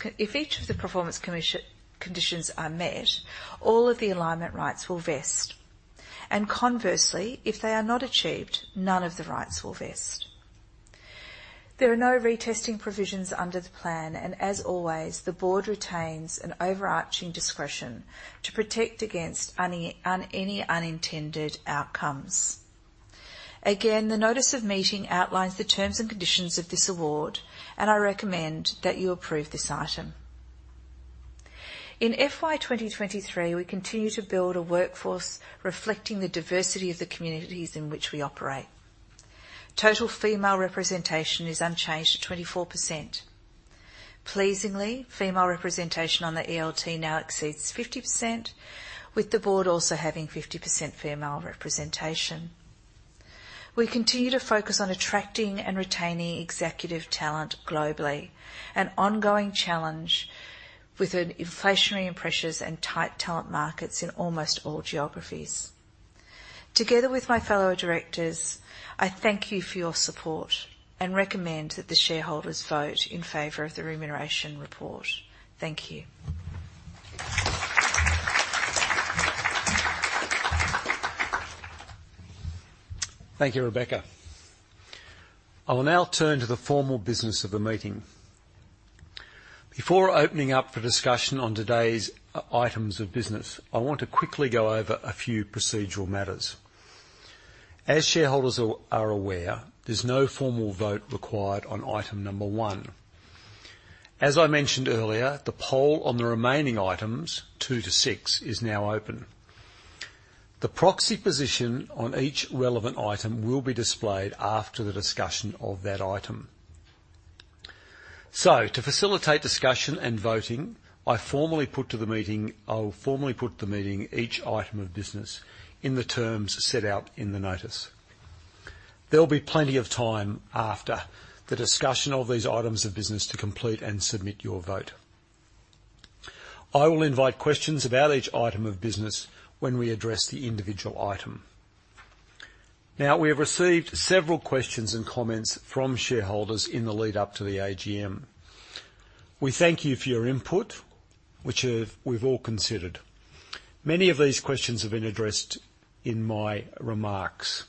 conditions are met, all of the Alignment Rights will vest, and conversely, if they are not achieved, none of the rights will vest. There are no retesting provisions under the plan, and as always, the board retains an overarching discretion to protect against any any unintended outcomes. Again, the notice of meeting outlines the terms and conditions of this award, and I recommend that you approve this item. In FY 2023, we continue to build a workforce reflecting the diversity of the communities in which we operate. Total female representation is unchanged at 24%. Pleasingly, female representation on the ELT now exceeds 50%, with the board also having 50% female representation. We continue to focus on attracting and retaining executive talent globally, an ongoing challenge with an inflationary and precious and tight talent markets in almost all geographies. Together with my fellow directors, I thank you for your support and recommend that the shareholders vote in favor of the remuneration report. Thank you. Thank you, Rebecca. I will now turn to the formal business of the meeting. Before opening up for discussion on today's items of business, I want to quickly go over a few procedural matters. As shareholders are aware, there's no formal vote required on item number 1. As I mentioned earlier, the poll on the remaining items, 2-6, is now open. The proxy position on each relevant item will be displayed after the discussion of that item. So to facilitate discussion and voting, I formally put to the meeting each item of business in the terms set out in the notice. There'll be plenty of time after the discussion of these items of business to complete and submit your vote. I will invite questions about each item of business when we address the individual item. Now, we have received several questions and comments from shareholders in the lead-up to the AGM. We thank you for your input, which we've all considered. Many of these questions have been addressed in my remarks.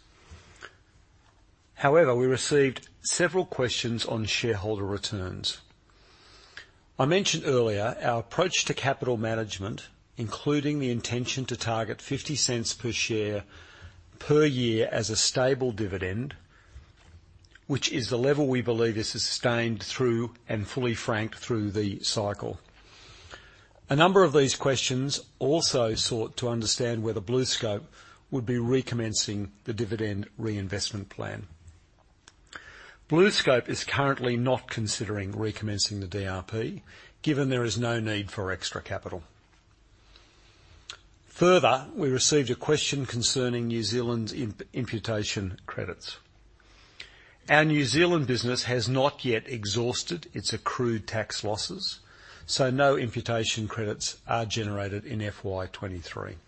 However, we received several questions on shareholder returns. I mentioned earlier our approach to capital management, including the intention to target 0.50 per share per year as a stable dividend, which is the level we believe is sustained through and fully franked through the cycle. A number of these questions also sought to understand whether BlueScope would be recommencing the dividend reinvestment plan. BlueScope is currently not considering recommencing the DRP, given there is no need for extra capital. Further, we received a question concerning New Zealand's imputation credits. Our New Zealand business has not yet exhausted its accrued tax losses, so no imputation credits are generated in FY 2023. The balance,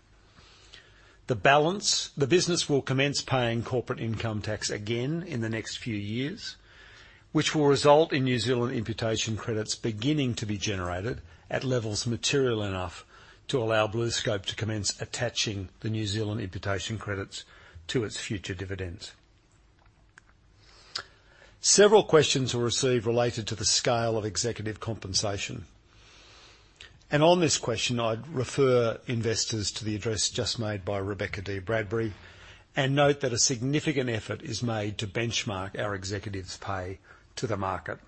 the business will commence paying corporate income tax again in the next few years, which will result in New Zealand imputation credits beginning to be generated at levels material enough to allow BlueScope to commence attaching the New Zealand imputation credits to its future dividends. Several questions were received related to the scale of executive compensation, and on this question, I'd refer investors to the address just made by Rebecca Dee-Bradbury and note that a significant effort is made to benchmark our executives' pay to the market.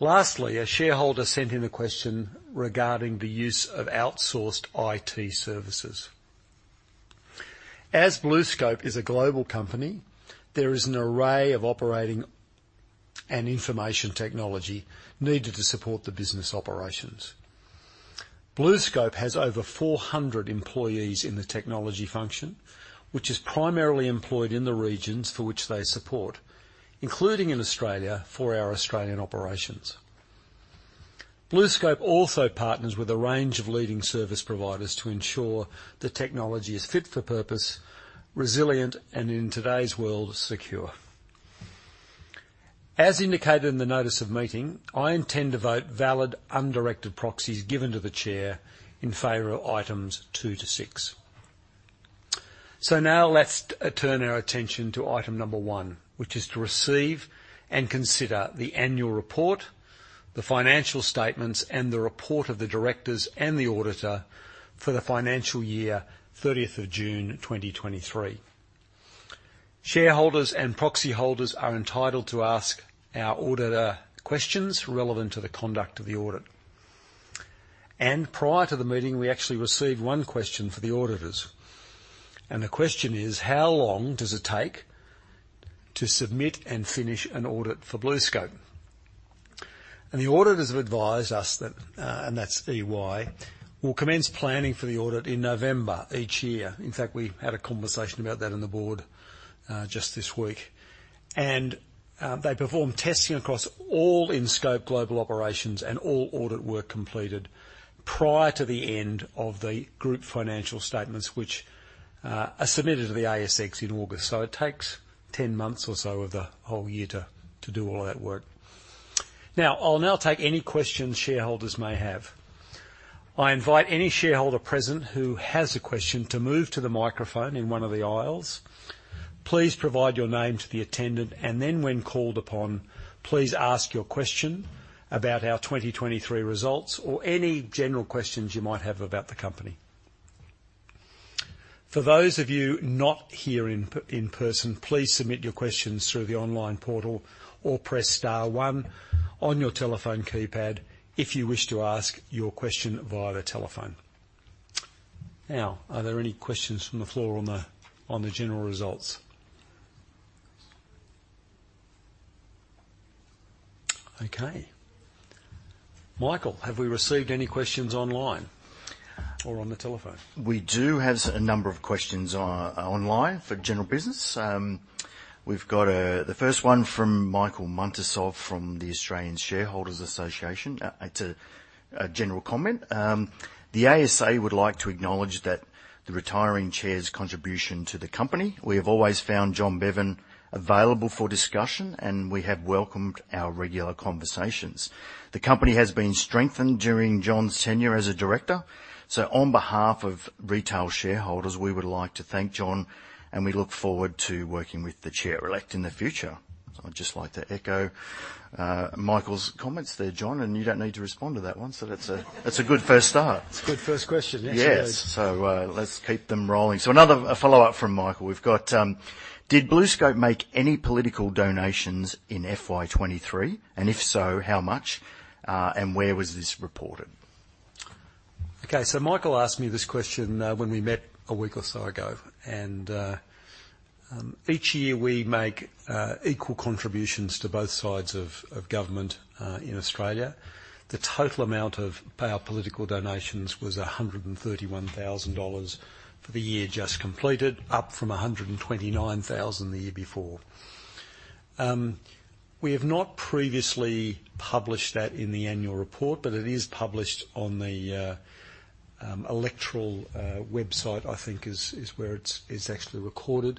Lastly, a shareholder sent in a question regarding the use of outsourced IT services. As BlueScope is a global company, there is an array of operating and information technology needed to support the business operations. BlueScope has over 400 employees in the technology function, which is primarily employed in the regions for which they support, including in Australia for our Australian operations. BlueScope also partners with a range of leading service providers to ensure the technology is fit for purpose, resilient, and in today's world, secure. As indicated in the notice of meeting, I intend to vote valid, undirected proxies given to the chair in favor of items 2-6.... So now let's turn our attention to item number 1, which is to receive and consider the annual report, the financial statements, and the report of the directors and the auditor for the financial year, 30th of June, 2023. Shareholders and proxy holders are entitled to ask our auditor questions relevant to the conduct of the audit. Prior to the meeting, we actually received one question for the auditors, and the question is: How long does it take to submit and finish an audit for BlueScope? The auditors have advised us that, and that's EY, we'll commence planning for the audit in November each year. In fact, we had a conversation about that in the board just this week. They perform testing across all in-scope global operations, and all audit work completed prior to the end of the group financial statements, which are submitted to the ASX in August. So it takes 10 months or so of the whole year to do all that work. Now, I'll now take any questions shareholders may have. I invite any shareholder present who has a question to move to the microphone in one of the aisles. Please provide your name to the attendant, and then, when called upon, please ask your question about our 2023 results or any general questions you might have about the company. For those of you not here in person, please submit your questions through the online portal, or press star one on your telephone keypad if you wish to ask your question via the telephone. Now, are there any questions from the floor on the general results? Okay. Michael, have we received any questions online or on the telephone? We do have a number of questions online for general business. We've got the first one from Michael Muntean from the Australian Shareholders Association. It's a general comment. The ASA would like to acknowledge that the retiring chair's contribution to the company. We have always found John Bevan available for discussion, and we have welcomed our regular conversations. The company has been strengthened during John's tenure as a director. So on behalf of retail shareholders, we would like to thank John, and we look forward to working with the chair-elect in the future. I'd just like to echo Michael's comments there, John, and you don't need to respond to that one, so that's a good first start. It's a good first question, yes, it is. Yes. So, let's keep them rolling. So another, a follow-up from Michael. We've got: Did BlueScope make any political donations in FY 2023? And if so, how much, and where was this reported? Okay, so Michael asked me this question when we met a week or so ago, and each year we make equal contributions to both sides of government in Australia. The total amount of our political donations was 131,000 dollars for the year just completed, up from 129,000 the year before. We have not previously published that in the annual report, but it is published on the electoral website, I think, is where it's actually recorded.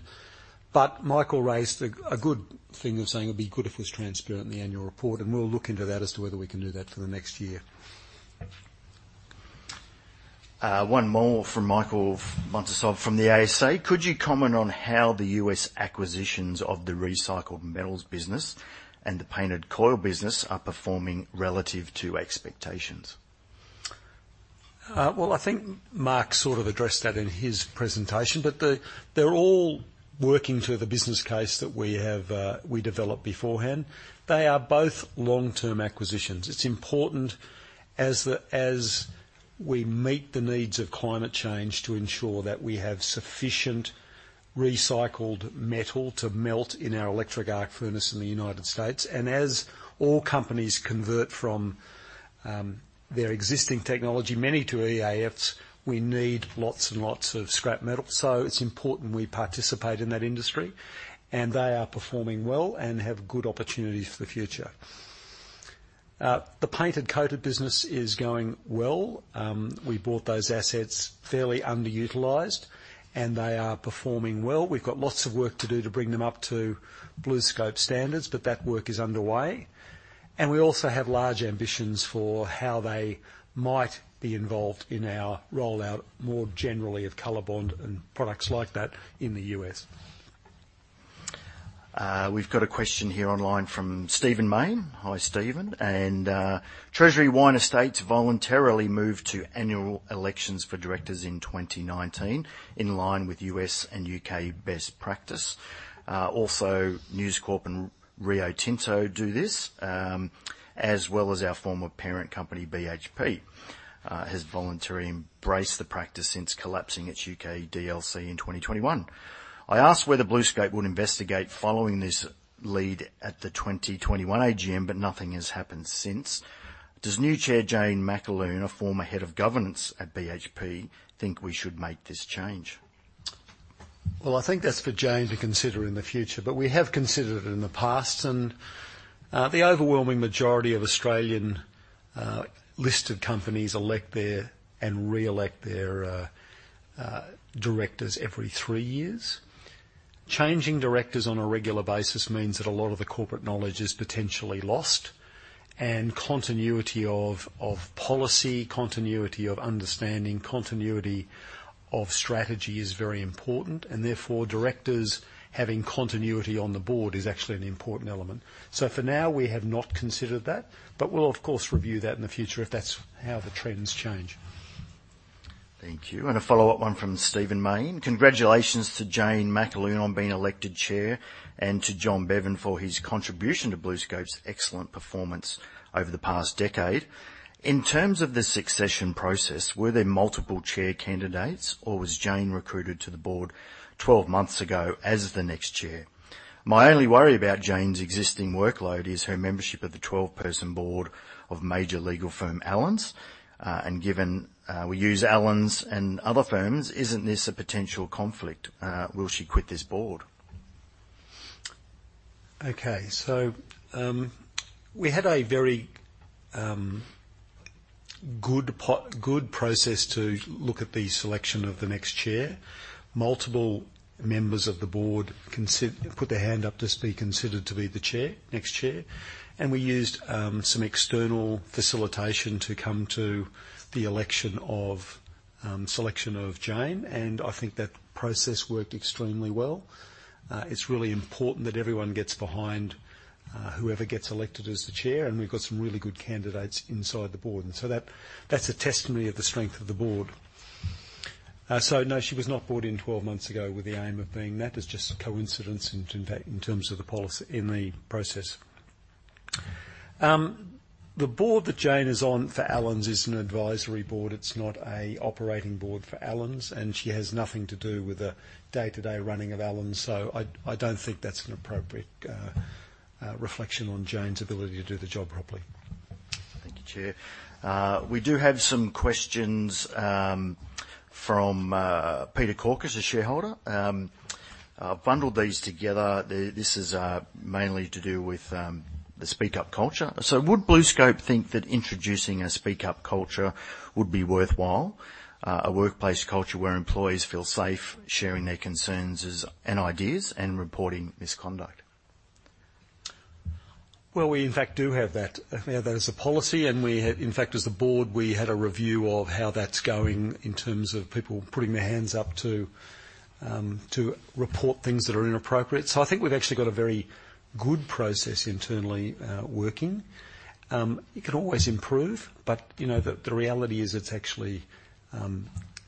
But Michael raised a good thing of saying it'd be good if it was transparent in the annual report, and we'll look into that as to whether we can do that for the next year. One more from Michael Muntean from the ASA: Could you comment on how the U.S. acquisitions of the recycled metals business and the painted coil business are performing relative to expectations? Well, I think Mark sort of addressed that in his presentation, but they're all working to the business case that we have, we developed beforehand. They are both long-term acquisitions. It's important as we meet the needs of climate change, to ensure that we have sufficient recycled metal to melt in our electric arc furnace in the United States. And as all companies convert from their existing technology, many to EAFs, we need lots and lots of scrap metal. So it's important we participate in that industry, and they are performing well and have good opportunities for the future. The painted coated business is going well. We bought those assets fairly underutilized, and they are performing well. We've got lots of work to do to bring them up to BlueScope standards, but that work is underway. We also have large ambitions for how they might be involved in our rollout, more generally of COLORBOND and products like that in the U.S. We've got a question here online from Stephen Mayne. Hi, Stephen. Treasury Wine Estates voluntarily moved to annual elections for directors in 2019, in line with U.S. and U.K. best practice. Also, News Corp and Rio Tinto do this, as well as our former parent company, BHP, has voluntarily embraced the practice since collapsing its UK DLC in 2021. I asked whether BlueScope would investigate following this lead at the 2021 AGM, but nothing has happened since. Does new Chair, Jane McAloon, a former head of governance at BHP, think we should make this change? Well, I think that's for Jane to consider in the future, but we have considered it in the past, and the overwhelming majority of Australian listed companies elect their, and re-elect their, directors every three years. Changing directors on a regular basis means that a lot of the corporate knowledge is potentially lost, and continuity of policy, continuity of understanding, continuity of strategy is very important, and therefore, directors having continuity on the board is actually an important element. So for now, we have not considered that, but we'll of course review that in the future if that's how the trends change. Thank you, and a follow-up one from Stephen Mayne. Congratulations to Jane McAloon on being elected chair, and to John Bevan for his contribution to BlueScope's excellent performance over the past decade. In terms of the succession process, were there multiple chair candidates or was Jane recruited to the board 12 months ago as the next chair? My only worry about Jane's existing workload is her membership of the 12-person board of major legal firm, Allens. And given, we use Allens and other firms, isn't this a potential conflict? Will she quit this board? Okay, so, we had a very good process to look at the selection of the next chair. Multiple members of the board put their hand up to be considered to be the chair, next chair, and we used some external facilitation to come to the election of selection of Jane, and I think that process worked extremely well. It's really important that everyone gets behind whoever gets elected as the chair, and we've got some really good candidates inside the board, and so that, that's a testimony of the strength of the board. So no, she was not brought in 12 months ago with the aim of being that. It's just a coincidence in terms of the policy, in the process. The board that Jane is on for Allens is an advisory board. It's not a operating board for Allens, and she has nothing to do with the day-to-day running of Allens, so I don't think that's an appropriate reflection on Jane's ability to do the job properly. Thank you, Chair. We do have some questions from Peter Karkos, a shareholder. I've bundled these together. This is mainly to do with the speak up culture. So would BlueScope think that introducing a speak up culture would be worthwhile? A workplace culture where employees feel safe sharing their concerns, and ideas and reporting misconduct. Well, we, in fact, do have that. We have that as a policy, and we have... In fact, as a board, we had a review of how that's going in terms of people putting their hands up to report things that are inappropriate. So I think we've actually got a very good process internally working. You can always improve, but, you know, the reality is it's actually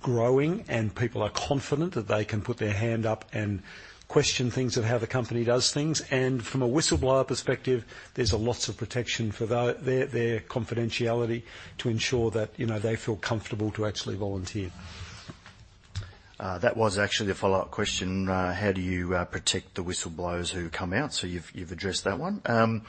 growing and people are confident that they can put their hand up and question things of how the company does things. And from a whistleblower perspective, there's lots of protection for their confidentiality to ensure that, you know, they feel comfortable to actually volunteer. That was actually a follow-up question: How do you protect the whistleblowers who come out? So you've addressed that one.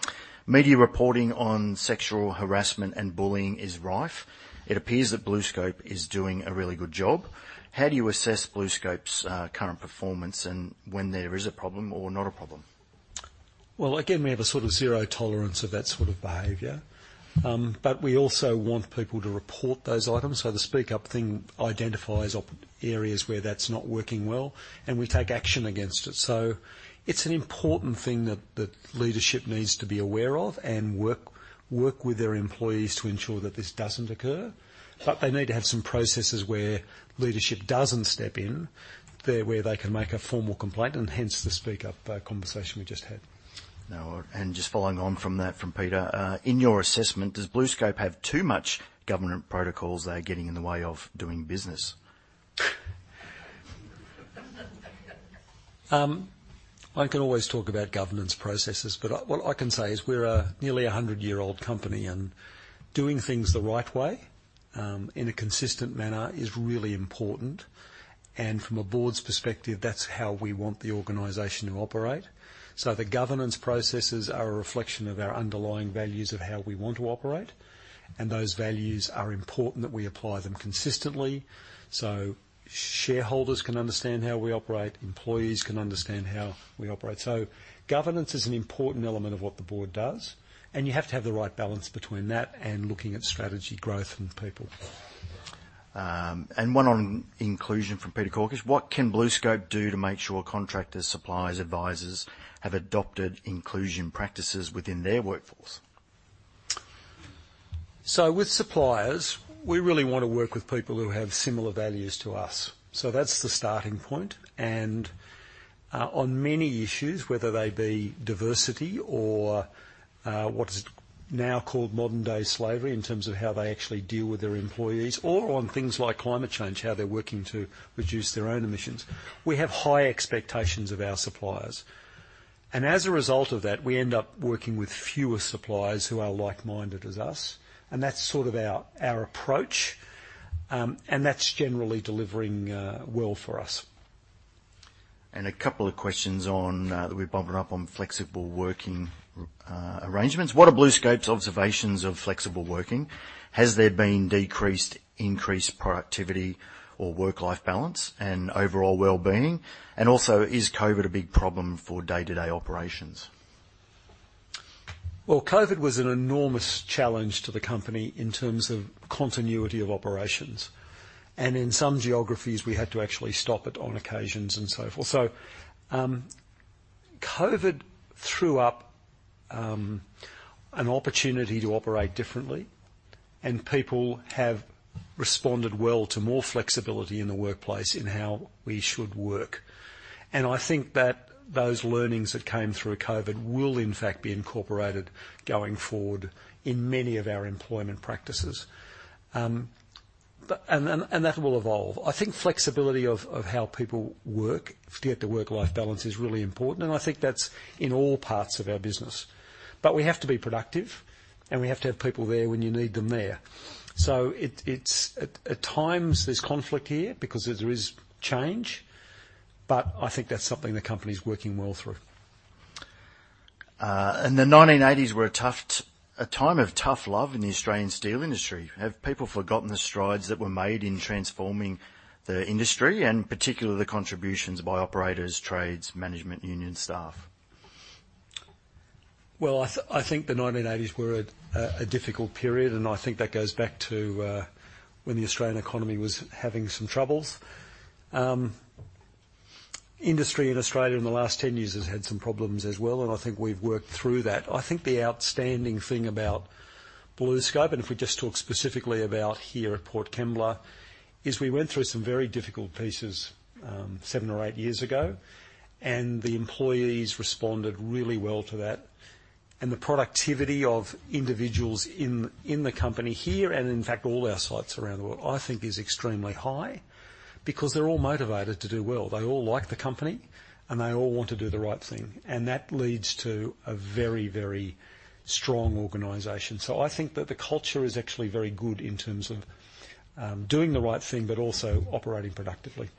Media reporting on sexual harassment and bullying is rife. It appears that BlueScope is doing a really good job. How do you assess BlueScope's current performance and when there is a problem or not a problem? Well, again, we have a sort of zero tolerance of that sort of behavior. But we also want people to report those items. So the speak up thing identifies areas where that's not working well, and we take action against it. So it's an important thing that leadership needs to be aware of and work with their employees to ensure that this doesn't occur. But they need to have some processes where leadership doesn't step in where they can make a formal complaint, and hence the speak up conversation we just had. Now, and just following on from that, from Peter, in your assessment, does BlueScope have too much government protocols that are getting in the way of doing business? I can always talk about governance processes, but what I can say is we're a nearly a hundred-year-old company, and doing things the right way, in a consistent manner is really important. From a board's perspective, that's how we want the organization to operate. The governance processes are a reflection of our underlying values of how we want to operate, and those values are important that we apply them consistently, so shareholders can understand how we operate, employees can understand how we operate. Governance is an important element of what the board does, and you have to have the right balance between that and looking at strategy, growth, and people. And one on inclusion from Peter Corkas: What can BlueScope do to make sure contractors, suppliers, advisors, have adopted inclusion practices within their workforce? So with suppliers, we really want to work with people who have similar values to us. So that's the starting point. And on many issues, whether they be diversity or what is now called modern day slavery, in terms of how they actually deal with their employees, or on things like climate change, how they're working to reduce their own emissions, we have high expectations of our suppliers. And as a result of that, we end up working with fewer suppliers who are like-minded as us, and that's sort of our approach. And that's generally delivering well for us. A couple of questions on that we've bumped up on flexible working arrangements. What are BlueScope's observations of flexible working? Has there been decreased, increased productivity or work-life balance and overall well-being? And also, is COVID a big problem for day-to-day operations?... Well, COVID was an enormous challenge to the company in terms of continuity of operations, and in some geographies, we had to actually stop it on occasions and so forth. So, COVID threw up an opportunity to operate differently, and people have responded well to more flexibility in the workplace in how we should work. And I think that those learnings that came through COVID will in fact be incorporated going forward in many of our employment practices. But, and that will evolve. I think flexibility of how people work to get the work-life balance is really important, and I think that's in all parts of our business. But we have to be productive, and we have to have people there when you need them there. So it's, at times, there's conflict here because there is change, but I think that's something the company's working well through. the 1980s were a time of tough love in the Australian steel industry. Have people forgotten the strides that were made in transforming the industry, and particularly the contributions by operators, trades, management, union staff? Well, I think the 1980s were a difficult period, and I think that goes back to when the Australian economy was having some troubles. Industry in Australia in the last 10 years has had some problems as well, and I think we've worked through that. I think the outstanding thing about BlueScope, and if we just talk specifically about here at Port Kembla, is we went through some very difficult pieces seven or eight years ago, and the employees responded really well to that. And the productivity of individuals in the company here, and in fact all our sites around the world, I think is extremely high because they're all motivated to do well. They all like the company, and they all want to do the right thing, and that leads to a very, very strong organization. I think that the culture is actually very good in terms of doing the right thing, but also operating productively.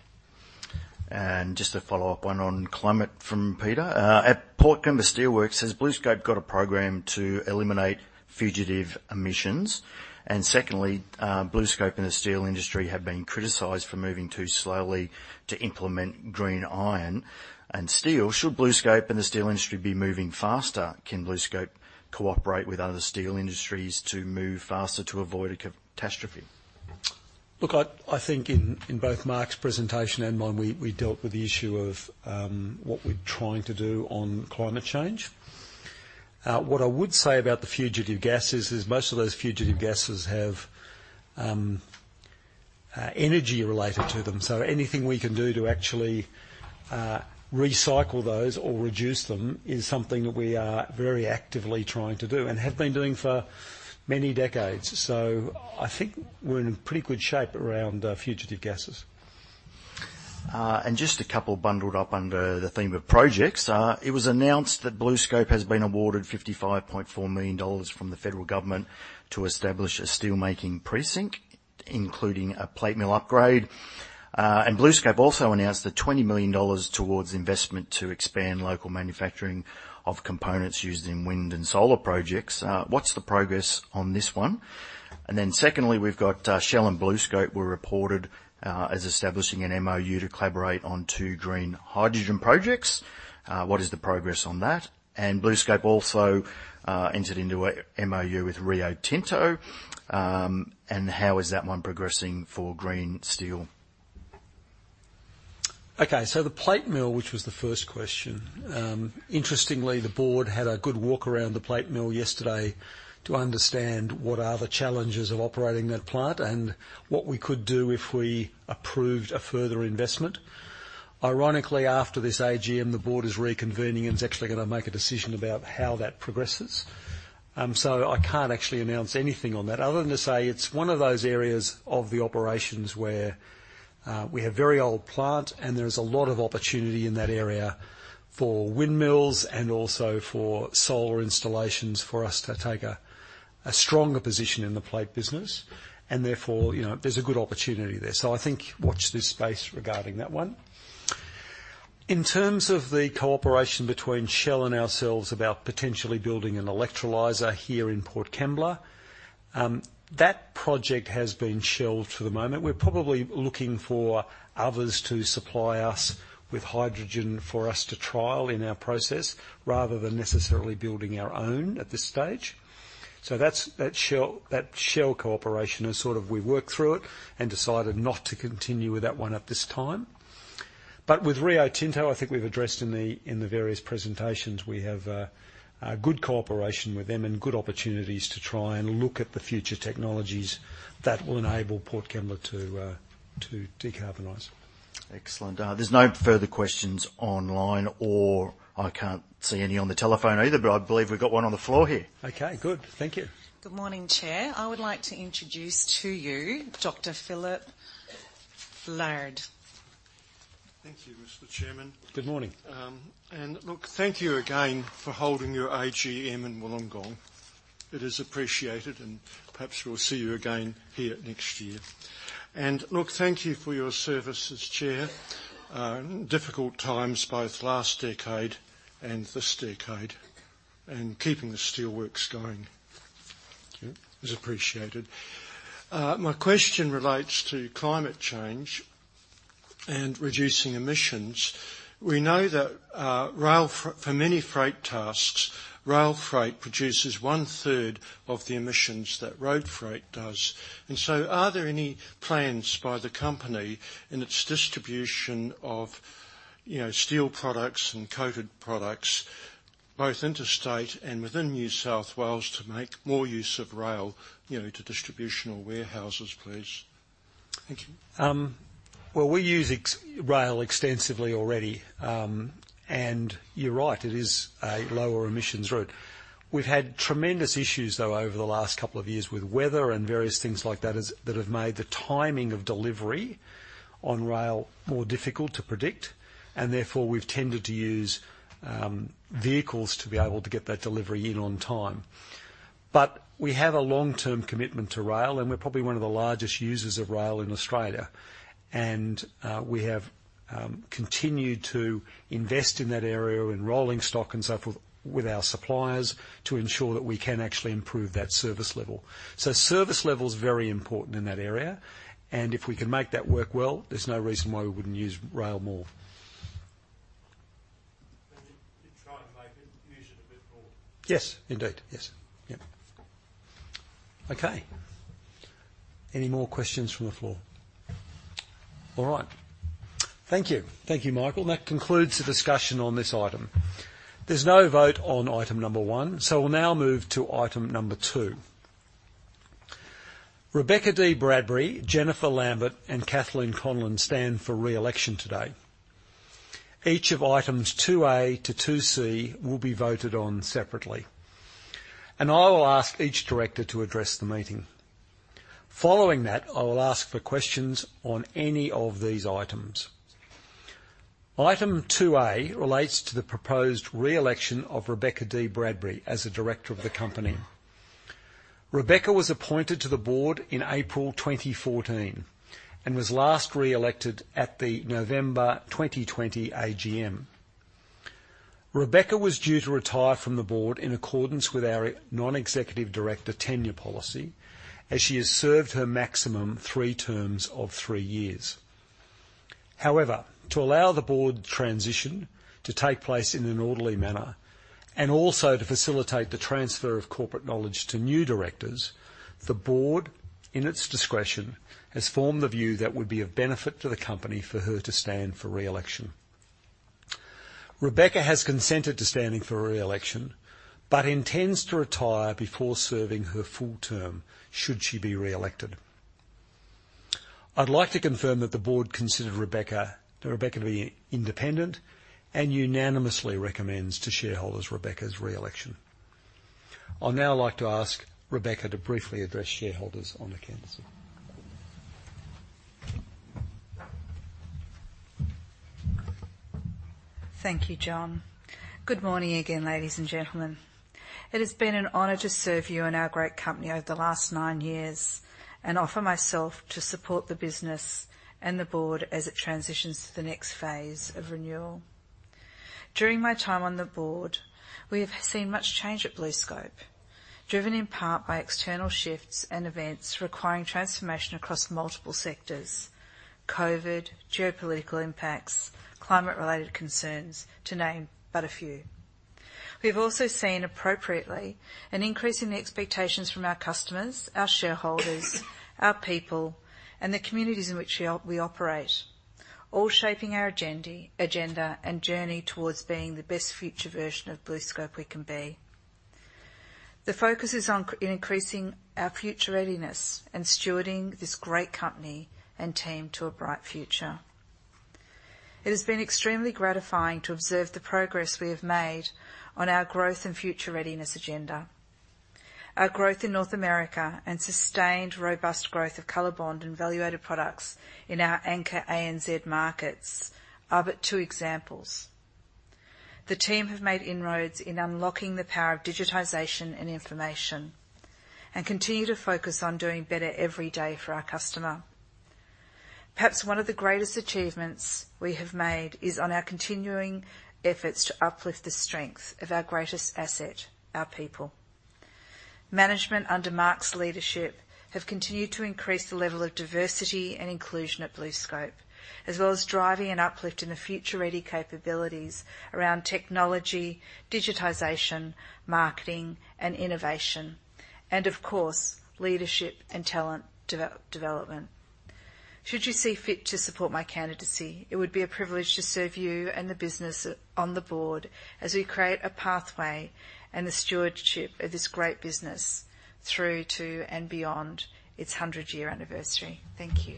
Just a follow-up, one on climate from Peter. At Port Kembla Steelworks, has BlueScope got a program to eliminate fugitive emissions? And secondly, BlueScope and the steel industry have been criticized for moving too slowly to implement green iron and steel. Should BlueScope and the steel industry be moving faster? Can BlueScope cooperate with other steel industries to move faster to avoid a catastrophe? Look, I think in both Mark's presentation and mine, we dealt with the issue of what we're trying to do on climate change. What I would say about the fugitive gases is, most of those fugitive gases have energy related to them. So anything we can do to actually recycle those or reduce them is something that we are very actively trying to do and have been doing for many decades. So I think we're in pretty good shape around fugitive gases. And just a couple bundled up under the theme of projects. It was announced that BlueScope has been awarded 55.4 million dollars from the federal government to establish a steelmaking precinct, including a plate mill upgrade. And BlueScope also announced 20 million dollars towards investment to expand local manufacturing of components used in wind and solar projects. What's the progress on this one? And then secondly, we've got Shell and BlueScope were reported as establishing an MOU to collaborate on two green hydrogen projects. What is the progress on that? And BlueScope also entered into a MOU with Rio Tinto. And how is that one progressing for green steel? Okay, so the plate mill, which was the first question, interestingly, the board had a good walk around the plate mill yesterday to understand what are the challenges of operating that plant and what we could do if we approved a further investment. Ironically, after this AGM, the board is reconvening and is actually going to make a decision about how that progresses. So I can't actually announce anything on that, other than to say it's one of those areas of the operations where we have very old plant, and there is a lot of opportunity in that area for windmills and also for solar installations, for us to take a stronger position in the plate business. And therefore, you know, there's a good opportunity there. So I think watch this space regarding that one. In terms of the cooperation between Shell and ourselves about potentially building an electrolyzer here in Port Kembla, that project has been shelved for the moment. We're probably looking for others to supply us with hydrogen for us to trial in our process, rather than necessarily building our own at this stage. So that's that Shell cooperation is sort of we worked through it and decided not to continue with that one at this time. But with Rio Tinto, I think we've addressed in the various presentations, we have a good cooperation with them and good opportunities to try and look at the future technologies that will enable Port Kembla to decarbonize. Excellent. There's no further questions online, or I can't see any on the telephone either, but I believe we've got one on the floor here. Okay, good. Thank you. Good morning, Chair. I would like to introduce to you Dr. Philip Laird. Thank you, Mr. Chairman. Good morning. And look, thank you again for holding your AGM in Wollongong. It is appreciated, and perhaps we'll see you again here next year. And look, thank you for your service as chair, in difficult times, both last decade and this decade, and keeping the steelworks going… Thank you. It's appreciated. My question relates to climate change and reducing emissions. We know that, rail for many freight tasks, rail freight produces one third of the emissions that road freight does. And so are there any plans by the company in its distribution of, you know, steel products and coated products, both interstate and within New South Wales, to make more use of rail, you know, to distributional warehouses, please? Thank you. Well, we use rail extensively already. And you're right, it is a lower emissions route. We've had tremendous issues, though, over the last couple of years with weather and various things like that, that have made the timing of delivery on rail more difficult to predict, and therefore, we've tended to use vehicles to be able to get that delivery in on time. But we have a long-term commitment to rail, and we're probably one of the largest users of rail in Australia. And we have continued to invest in that area, in rolling stock and so forth, with our suppliers to ensure that we can actually improve that service level. So service level is very important in that area, and if we can make that work well, there's no reason why we wouldn't use rail more. You, you try and make it, use it a bit more? Yes, indeed. Yes. Yep. Okay. Any more questions from the floor? All right. Thank you. Thank you, Michael. That concludes the discussion on this item. There's no vote on item number one, so we'll now move to item number two. Rebecca Dee-Bradbury, Jennifer Lambert, and Kathleen Conlon stand for re-election today. Each of items two A to two C will be voted on separately, and I will ask each director to address the meeting. Following that, I will ask for questions on any of these items. Item two A relates to the proposed re-election of Rebecca Dee-Bradbury as a director of the company. Rebecca was appointed to the board in April 2014, and was last re-elected at the November 2020 AGM. Rebecca was due to retire from the board in accordance with our non-executive director tenure policy, as she has served her maximum three terms of three years. However, to allow the board transition to take place in an orderly manner, and also to facilitate the transfer of corporate knowledge to new directors, the board, in its discretion, has formed the view that it would be of benefit to the company for her to stand for re-election. Rebecca has consented to standing for re-election, but intends to retire before serving her full term, should she be re-elected. I'd like to confirm that the board considers Rebecca to be independent and unanimously recommends to shareholders Rebecca's re-election. I'd now like to ask Rebecca to briefly address shareholders on the candidacy. Thank you, John. Good morning again, ladies and gentlemen. It has been an honor to serve you and our great company over the last nine years, and offer myself to support the business and the board as it transitions to the next phase of renewal. During my time on the board, we have seen much change at BlueScope, driven in part by external shifts and events requiring transformation across multiple sectors: COVID, geopolitical impacts, climate-related concerns, to name but a few. We've also seen, appropriately, an increase in the expectations from our customers, our shareholders, our people, and the communities in which we operate, all shaping our agenda and journey towards being the best future version of BlueScope we can be. The focus is on in increasing our future readiness and stewarding this great company and team to a bright future. It has been extremely gratifying to observe the progress we have made on our growth and future readiness agenda. Our growth in North America and sustained robust growth of COLORBOND and value-added products in our anchor ANZ markets are but two examples. The team have made inroads in unlocking the power of digitization and information, and continue to focus on doing better every day for our customer. Perhaps one of the greatest achievements we have made is on our continuing efforts to uplift the strength of our greatest asset, our people. Management, under Mark's leadership, have continued to increase the level of diversity and inclusion at BlueScope, as well as driving an uplift in the future-ready capabilities around technology, digitization, marketing, and innovation, and of course, leadership and talent development. Should you see fit to support my candidacy, it would be a privilege to serve you and the business on the board as we create a pathway and the stewardship of this great business through to and beyond its hundred-year anniversary. Thank you.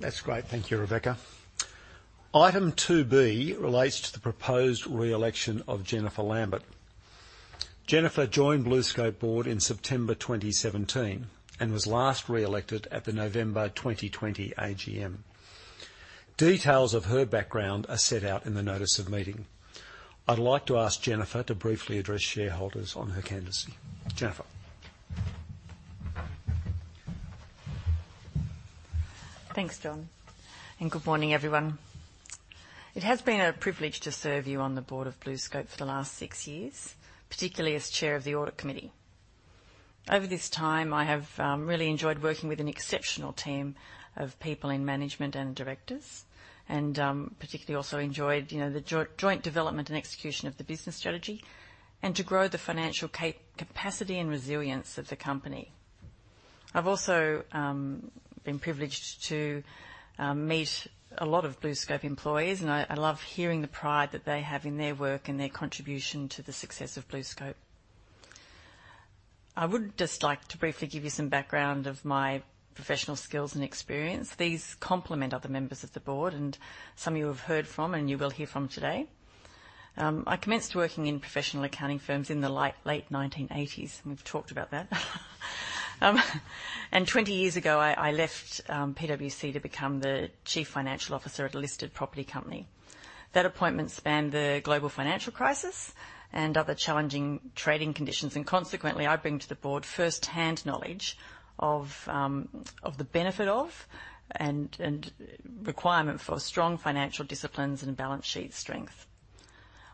That's great. Thank you, Rebecca. Item two B relates to the proposed re-election of Jennifer Lambert. Jennifer joined BlueScope board in September 2017 and was last re-elected at the November 2020 AGM. Details of her background are set out in the notice of meeting. I'd like to ask Jennifer to briefly address shareholders on her candidacy. Jennifer?... Thanks, John, and good morning, everyone. It has been a privilege to serve you on the board of BlueScope for the last six years, particularly as Chair of the Audit Committee. Over this time, I have really enjoyed working with an exceptional team of people in management and directors, and particularly also enjoyed, you know, the joint development and execution of the business strategy, and to grow the financial capacity and resilience of the company. I've also been privileged to meet a lot of BlueScope employees, and I love hearing the pride that they have in their work and their contribution to the success of BlueScope. I would just like to briefly give you some background of my professional skills and experience. These complement other members of the board, and some of you have heard from, and you will hear from today. I commenced working in professional accounting firms in the late 1980s, and we've talked about that. 20 years ago, I left PwC to become the chief financial officer at a listed property company. That appointment spanned the global financial crisis and other challenging trading conditions, and consequently, I bring to the board firsthand knowledge of the benefit of and requirement for strong financial disciplines and balance sheet strength.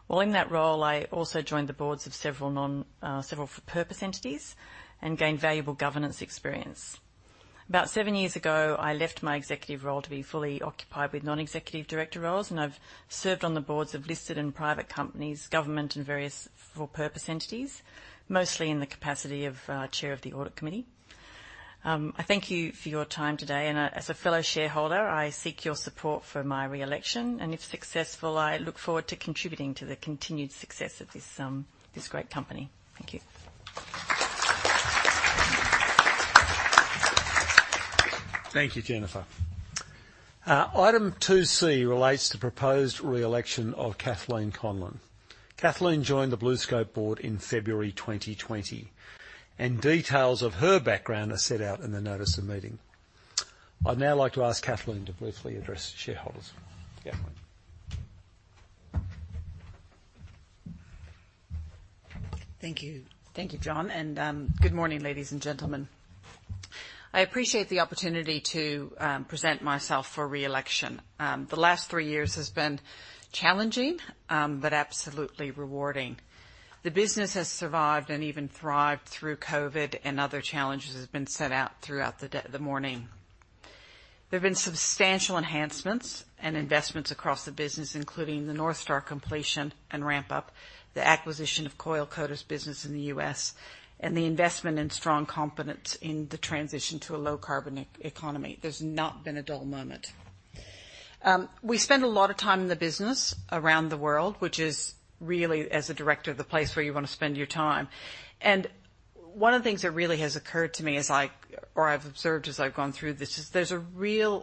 While in that role, I also joined the boards of several for-purpose entities and gained valuable governance experience. About 7 years ago, I left my executive role to be fully occupied with non-executive director roles, and I've served on the boards of listed and private companies, government, and various for-purpose entities, mostly in the capacity of chair of the audit committee. I thank you for your time today, and as a fellow shareholder, I seek your support for my re-election, and if successful, I look forward to contributing to the continued success of this great company. Thank you. Thank you, Jennifer. Item 2C relates to proposed re-election of Kathleen Conlon. Kathleen joined the BlueScope board in February 2020, and details of her background are set out in the notice of meeting. I'd now like to ask Kathleen to briefly address the shareholders. Kathleen? Thank you. Thank you, John, and good morning, ladies and gentlemen. I appreciate the opportunity to present myself for re-election. The last three years has been challenging, but absolutely rewarding. The business has survived and even thrived through COVID and other challenges, as has been set out throughout the day, the morning. There have been substantial enhancements and investments across the business, including the North Star completion and ramp up, the acquisition of Coil Coatings business in the US, and the investment in strong commitment in the transition to a low-carbon economy. There's not been a dull moment. We spend a lot of time in the business around the world, which is really, as a director, the place where you want to spend your time, and one of the things that really has occurred to me as I... Or I've observed as I've gone through this, is there's a really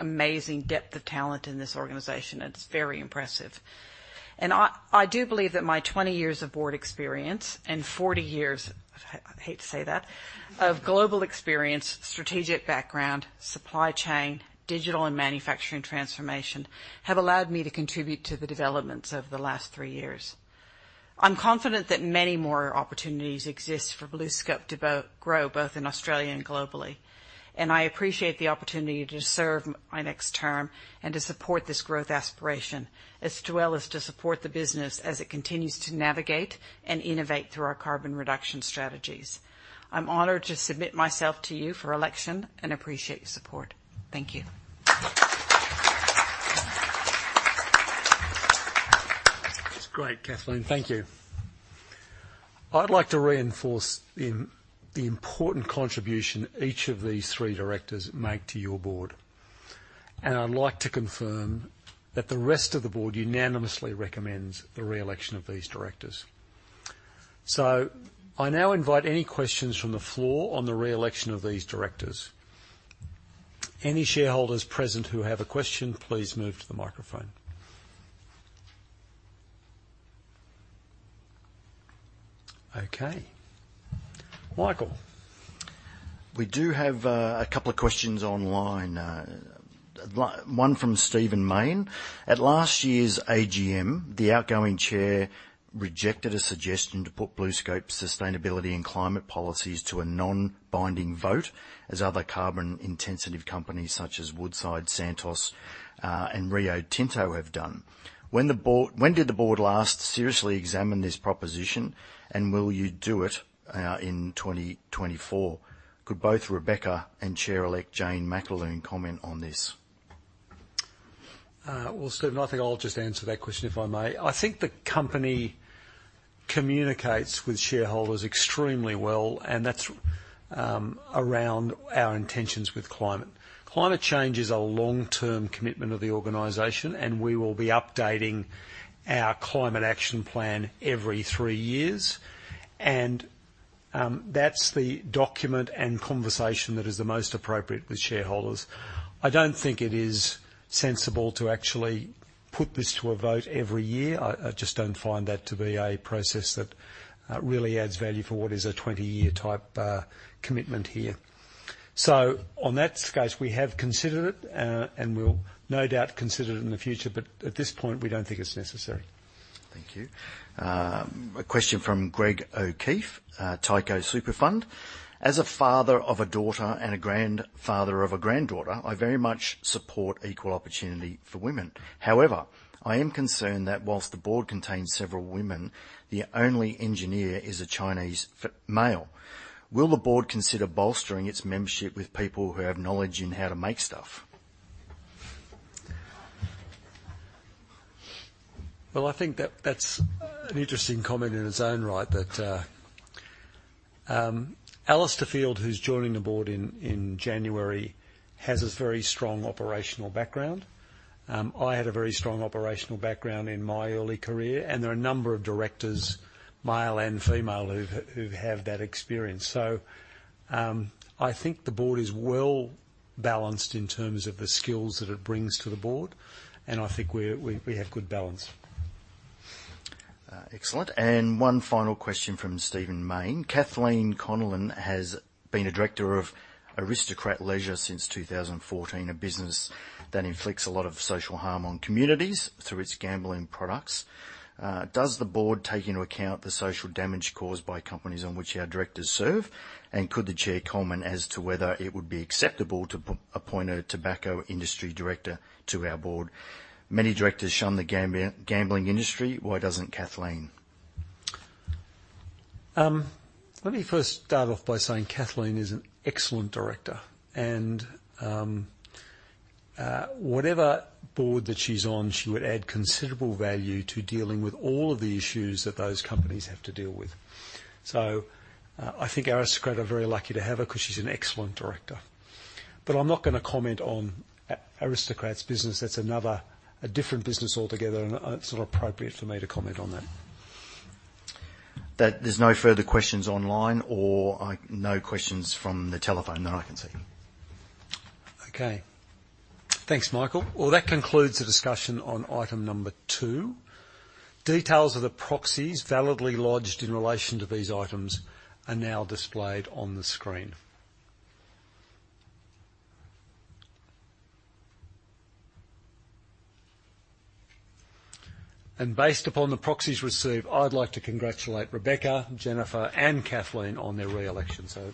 amazing depth of talent in this organization, and it's very impressive. I do believe that my 20 years of board experience and 40 years, I hate to say that, of global experience, strategic background, supply chain, digital and manufacturing transformation, have allowed me to contribute to the developments over the last 3 years. I'm confident that many more opportunities exist for BlueScope to grow, both in Australia and globally, and I appreciate the opportunity to serve my next term and to support this growth aspiration, as well as to support the business as it continues to navigate and innovate through our carbon reduction strategies. I'm honored to submit myself to you for election and appreciate your support. Thank you. That's great, Kathleen. Thank you. I'd like to reinforce the important contribution each of these three directors make to your board, and I'd like to confirm that the rest of the board unanimously recommends the re-election of these directors. So I now invite any questions from the floor on the re-election of these directors. Any shareholders present who have a question, please move to the microphone. Okay, Michael? We do have a couple of questions online, one from Stephen Main. At last year's AGM, the outgoing chair rejected a suggestion to put BlueScope's sustainability and climate policies to a non-binding vote, as other carbon-intensive companies such as Woodside, Santos, and Rio Tinto have done. When did the board last seriously examine this proposition, and will you do it in 2024? Could both Rebecca and chair-elect Jane McAloon comment on this? Well, Steven, I think I'll just answer that question, if I may. I think the company communicates with shareholders extremely well, and that's around our intentions with climate. Climate change is a long-term commitment of the organization, and we will be updating our climate action plan every three years, and that's the document and conversation that is the most appropriate with shareholders. I don't think it is sensible to actually put this to a vote every year. I just don't find that to be a process that really adds value for what is a 20-year type commitment here. So on that case, we have considered it, and we'll no doubt consider it in the future, but at this point, we don't think it's necessary. ... Thank you. A question from Greg O'Keefe, Tyco Superfund. As a father of a daughter and a grandfather of a granddaughter, I very much support equal opportunity for women. However, I am concerned that while the board contains several women, the only engineer is a Chinese female. Will the board consider bolstering its membership with people who have knowledge in how to make stuff? Well, I think that, that's an interesting comment in its own right. But, Alistair Field, who's joining the board in January, has a very strong operational background. I had a very strong operational background in my early career, and there are a number of directors, male and female, who've who have that experience. So, I think the board is well balanced in terms of the skills that it brings to the board, and I think we're we have good balance. Excellent. And one final question from Stephen Main: Kathleen Conlon has been a director of Aristocrat Leisure since 2014, a business that inflicts a lot of social harm on communities through its gambling products. Does the board take into account the social damage caused by companies on which our directors serve? And could the chair comment as to whether it would be acceptable to appoint a tobacco industry director to our board? Many directors shun the gambling industry. Why doesn't Kathleen? Let me first start off by saying Kathleen is an excellent director, and whatever board that she's on, she would add considerable value to dealing with all of the issues that those companies have to deal with. So I think Aristocrat are very lucky to have her because she's an excellent director. But I'm not gonna comment on Aristocrat's business. That's another, a different business altogether, and it's not appropriate for me to comment on that. There's no further questions online or no questions from the telephone that I can see. Okay. Thanks, Michael. Well, that concludes the discussion on item number 2. Details of the proxies validly lodged in relation to these items are now displayed on the screen. And based upon the proxies received, I'd like to congratulate Rebecca, Jennifer, and Kathleen on their re-election. So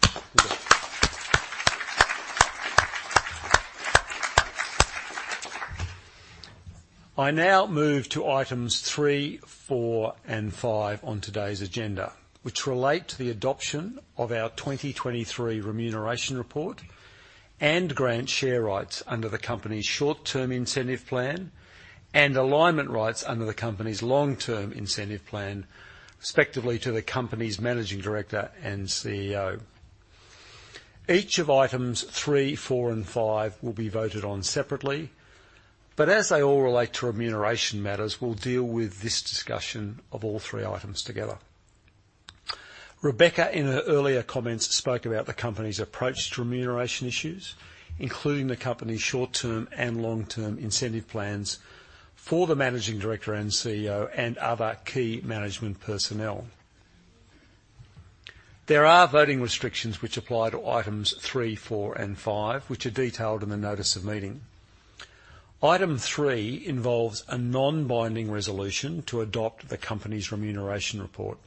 I now move to items 3, 4, and 5 on today's agenda, which relate to the adoption of our 2023 remuneration report and grant share rights under the company's short-term incentive plan and alignment rights under the company's long-term incentive plan, respectively, to the company's Managing Director and CEO. Each of items 3, 4, and 5 will be voted on separately, but as they all relate to remuneration matters, we'll deal with this discussion of all three items together. Rebecca, in her earlier comments, spoke about the company's approach to remuneration issues, including the company's short-term and long-term incentive plans for the Managing Director and CEO and other key management personnel. There are voting restrictions which apply to items three, four, and five, which are detailed in the notice of meeting. Item three involves a non-binding resolution to adopt the company's remuneration report.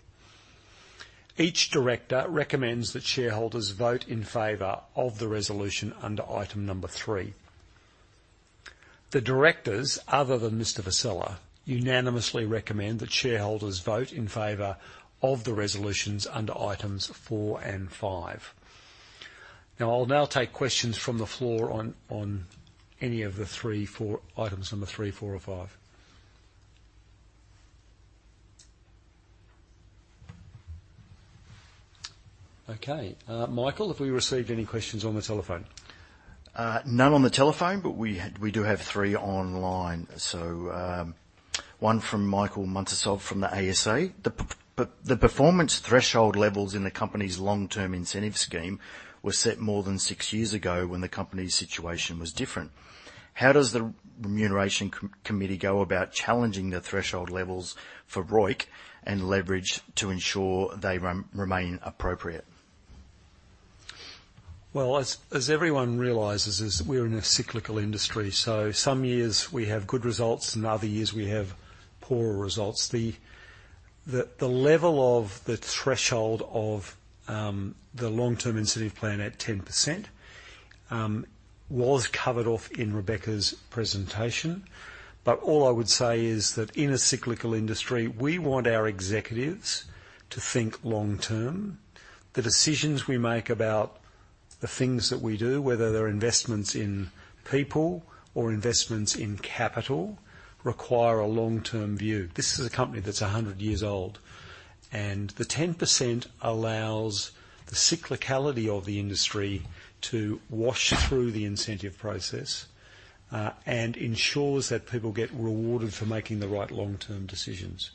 Each director recommends that shareholders vote in favor of the resolution under item number three. The directors, other than Mr. Vassella, unanimously recommend that shareholders vote in favor of the resolutions under items four and five. Now, I'll now take questions from the floor on any of the three, four items number three, four, or five. Okay, Michael, have we received any questions on the telephone? None on the telephone, but we had, we do have three online. So, one from Michael Muntean from the ASA: The performance threshold levels in the company's long-term incentive scheme were set more than six years ago when the company's situation was different. How does the remuneration committee go about challenging the threshold levels for ROIC and leverage to ensure they remain appropriate? Well, as everyone realizes, we're in a cyclical industry, so some years we have good results and other years we have poorer results. The level of the threshold of the long-term incentive plan at 10%, was covered off in Rebecca's presentation. But all I would say is that in a cyclical industry, we want our executives to think long term. The decisions we make about the things that we do, whether they're investments in people or investments in capital, require a long-term view. This is a company that's 100 years old, and the 10% allows the cyclicality of the industry to wash through the incentive process, and ensures that people get rewarded for making the right long-term decisions.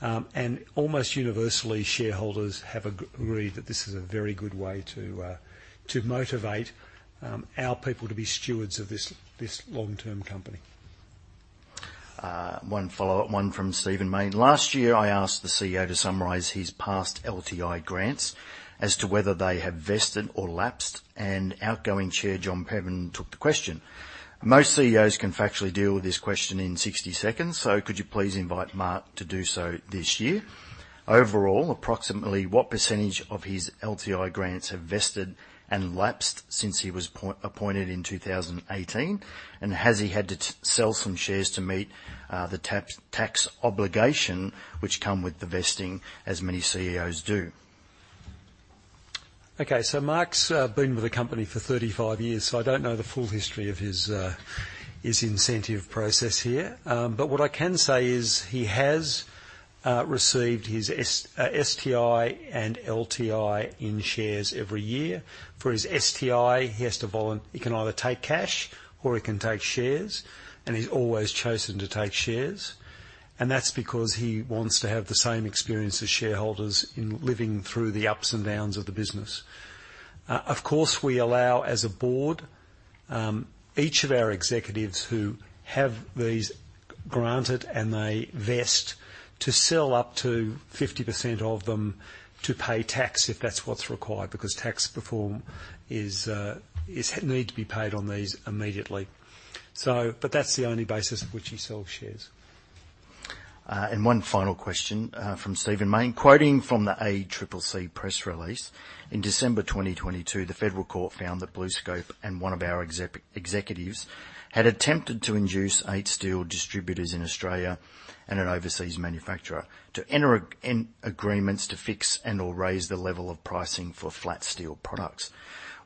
And almost universally, shareholders have agreed that this is a very good way to motivate our people to be stewards of this long-term company.... One follow-up, one from Stephen Main. Last year, I asked the CEO to summarize his past LTI grants as to whether they have vested or lapsed, and outgoing chair, John Bevan took the question. Most CEOs can factually deal with this question in 60 seconds, so could you please invite Mark to do so this year? Overall, approximately what percentage of his LTI grants have vested and lapsed since he was appointed in 2018? And has he had to sell some shares to meet the tax obligation which come with the vesting, as many CEOs do? Okay, so Mark's been with the company for 35 years, so I don't know the full history of his his incentive process here. But what I can say is he has received his STI and LTI in shares every year. For his STI, he can either take cash or he can take shares, and he's always chosen to take shares. And that's because he wants to have the same experience as shareholders in living through the ups and downs of the business. Of course, we allow, as a board, each of our executives who have these granted and they vest, to sell up to 50% of them to pay tax, if that's what's required, because taxes need to be paid on these immediately. But that's the only basis on which he sells shares. One final question from Stephen Main. Quoting from the ACCC press release, in December 2022, the Federal Court found that BlueScope and one of our executives had attempted to induce eight steel distributors in Australia and an overseas manufacturer to enter agreements to fix and/or raise the level of pricing for flat steel products.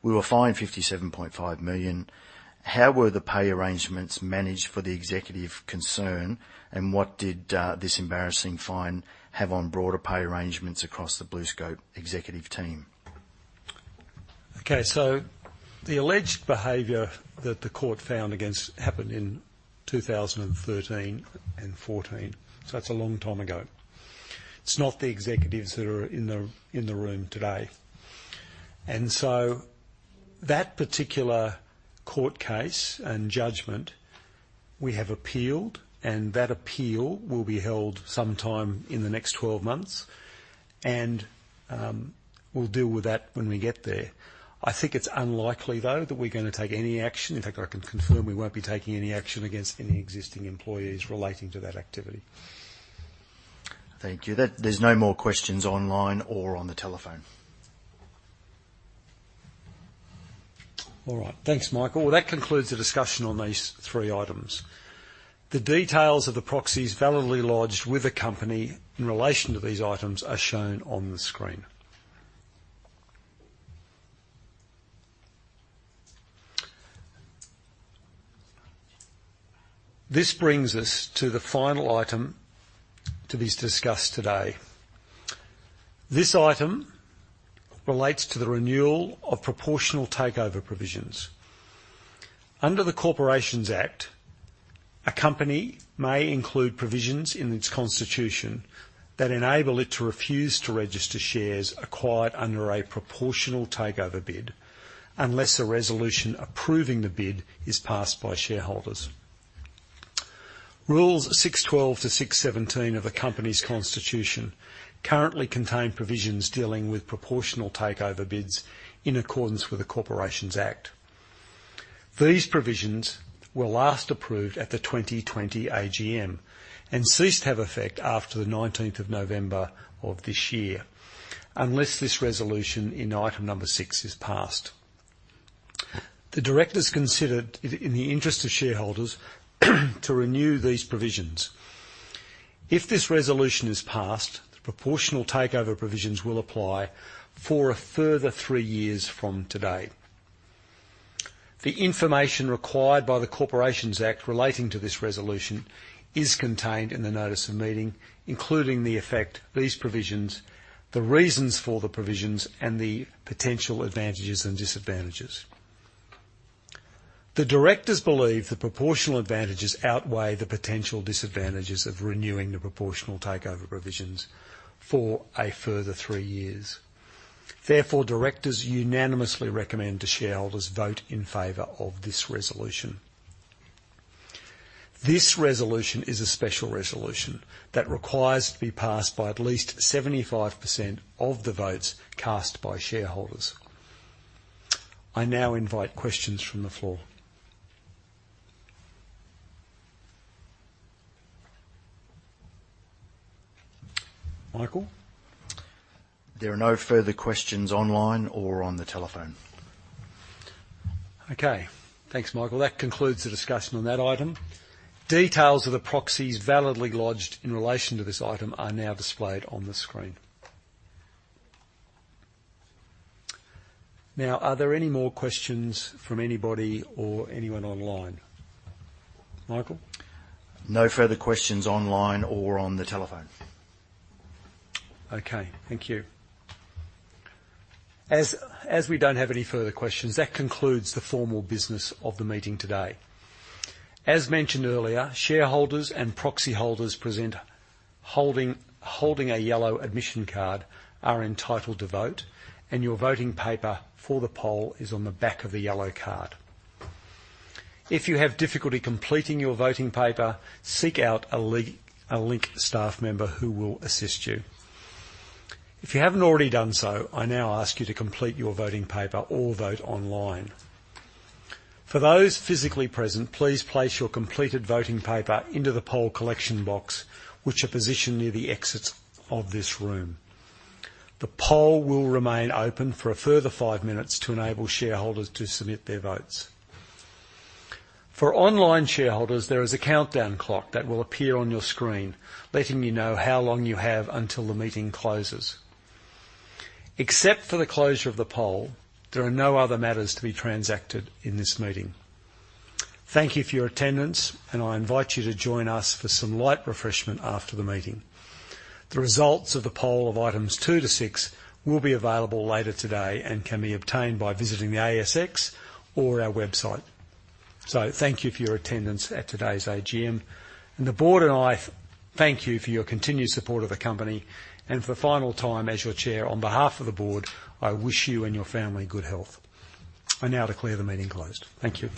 We were fined 57.5 million. How were the pay arrangements managed for the executive concerned, and what did this embarrassing fine have on broader pay arrangements across the BlueScope executive team? Okay, so the alleged behavior that the court found against happened in 2013 and 2014, so that's a long time ago. It's not the executives that are in the room today. So that particular court case and judgment, we have appealed, and that appeal will be held sometime in the next 12 months, and we'll deal with that when we get there. I think it's unlikely, though, that we're going to take any action. In fact, I can confirm we won't be taking any action against any existing employees relating to that activity. Thank you. There's no more questions online or on the telephone. All right. Thanks, Michael. Well, that concludes the discussion on these three items. The details of the proxies validly lodged with the company in relation to these items are shown on the screen. This brings us to the final item to be discussed today. This item relates to the renewal of proportional takeover provisions. Under the Corporations Act, a company may include provisions in its constitution that enable it to refuse to register shares acquired under a proportional takeover bid, unless a resolution approving the bid is passed by shareholders. Rules 6.12 to 6.17 of the company's constitution currently contain provisions dealing with proportional takeover bids in accordance with the Corporations Act. These provisions were last approved at the 2020 AGM and ceased to have effect after the nineteenth of November of this year, unless this resolution in item number 6 is passed. The directors considered it in the interest of shareholders to renew these provisions. If this resolution is passed, the proportional takeover provisions will apply for a further three years from today. The information required by the Corporations Act relating to this resolution is contained in the notice of meeting, including the effect, these provisions, the reasons for the provisions, and the potential advantages and disadvantages. The directors believe the proportional advantages outweigh the potential disadvantages of renewing the proportional takeover provisions for a further three years. Therefore, directors unanimously recommend the shareholders vote in favor of this resolution. This resolution is a special resolution that requires to be passed by at least 75% of the votes cast by shareholders. I now invite questions from the floor. Michael? There are no further questions online or on the telephone. Okay. Thanks, Michael. That concludes the discussion on that item. Details of the proxies validly lodged in relation to this item are now displayed on the screen. Now, are there any more questions from anybody or anyone online? Michael? No further questions online or on the telephone. Okay, thank you. As we don't have any further questions, that concludes the formal business of the meeting today. As mentioned earlier, shareholders and proxy holders present, holding a yellow admission card are entitled to vote, and your voting paper for the poll is on the back of the yellow card. If you have difficulty completing your voting paper, seek out a Link staff member who will assist you. If you haven't already done so, I now ask you to complete your voting paper or vote online. For those physically present, please place your completed voting paper into the poll collection box, which are positioned near the exits of this room. The poll will remain open for a further five minutes to enable shareholders to submit their votes. For online shareholders, there is a countdown clock that will appear on your screen, letting you know how long you have until the meeting closes. Except for the closure of the poll, there are no other matters to be transacted in this meeting. Thank you for your attendance, and I invite you to join us for some light refreshment after the meeting. The results of the poll of items 2-6 will be available later today and can be obtained by visiting the ASX or our website. Thank you for your attendance at today's AGM. The board and I thank you for your continued support of the company. For the final time, as your chair, on behalf of the board, I wish you and your family good health. I now declare the meeting closed. Thank you.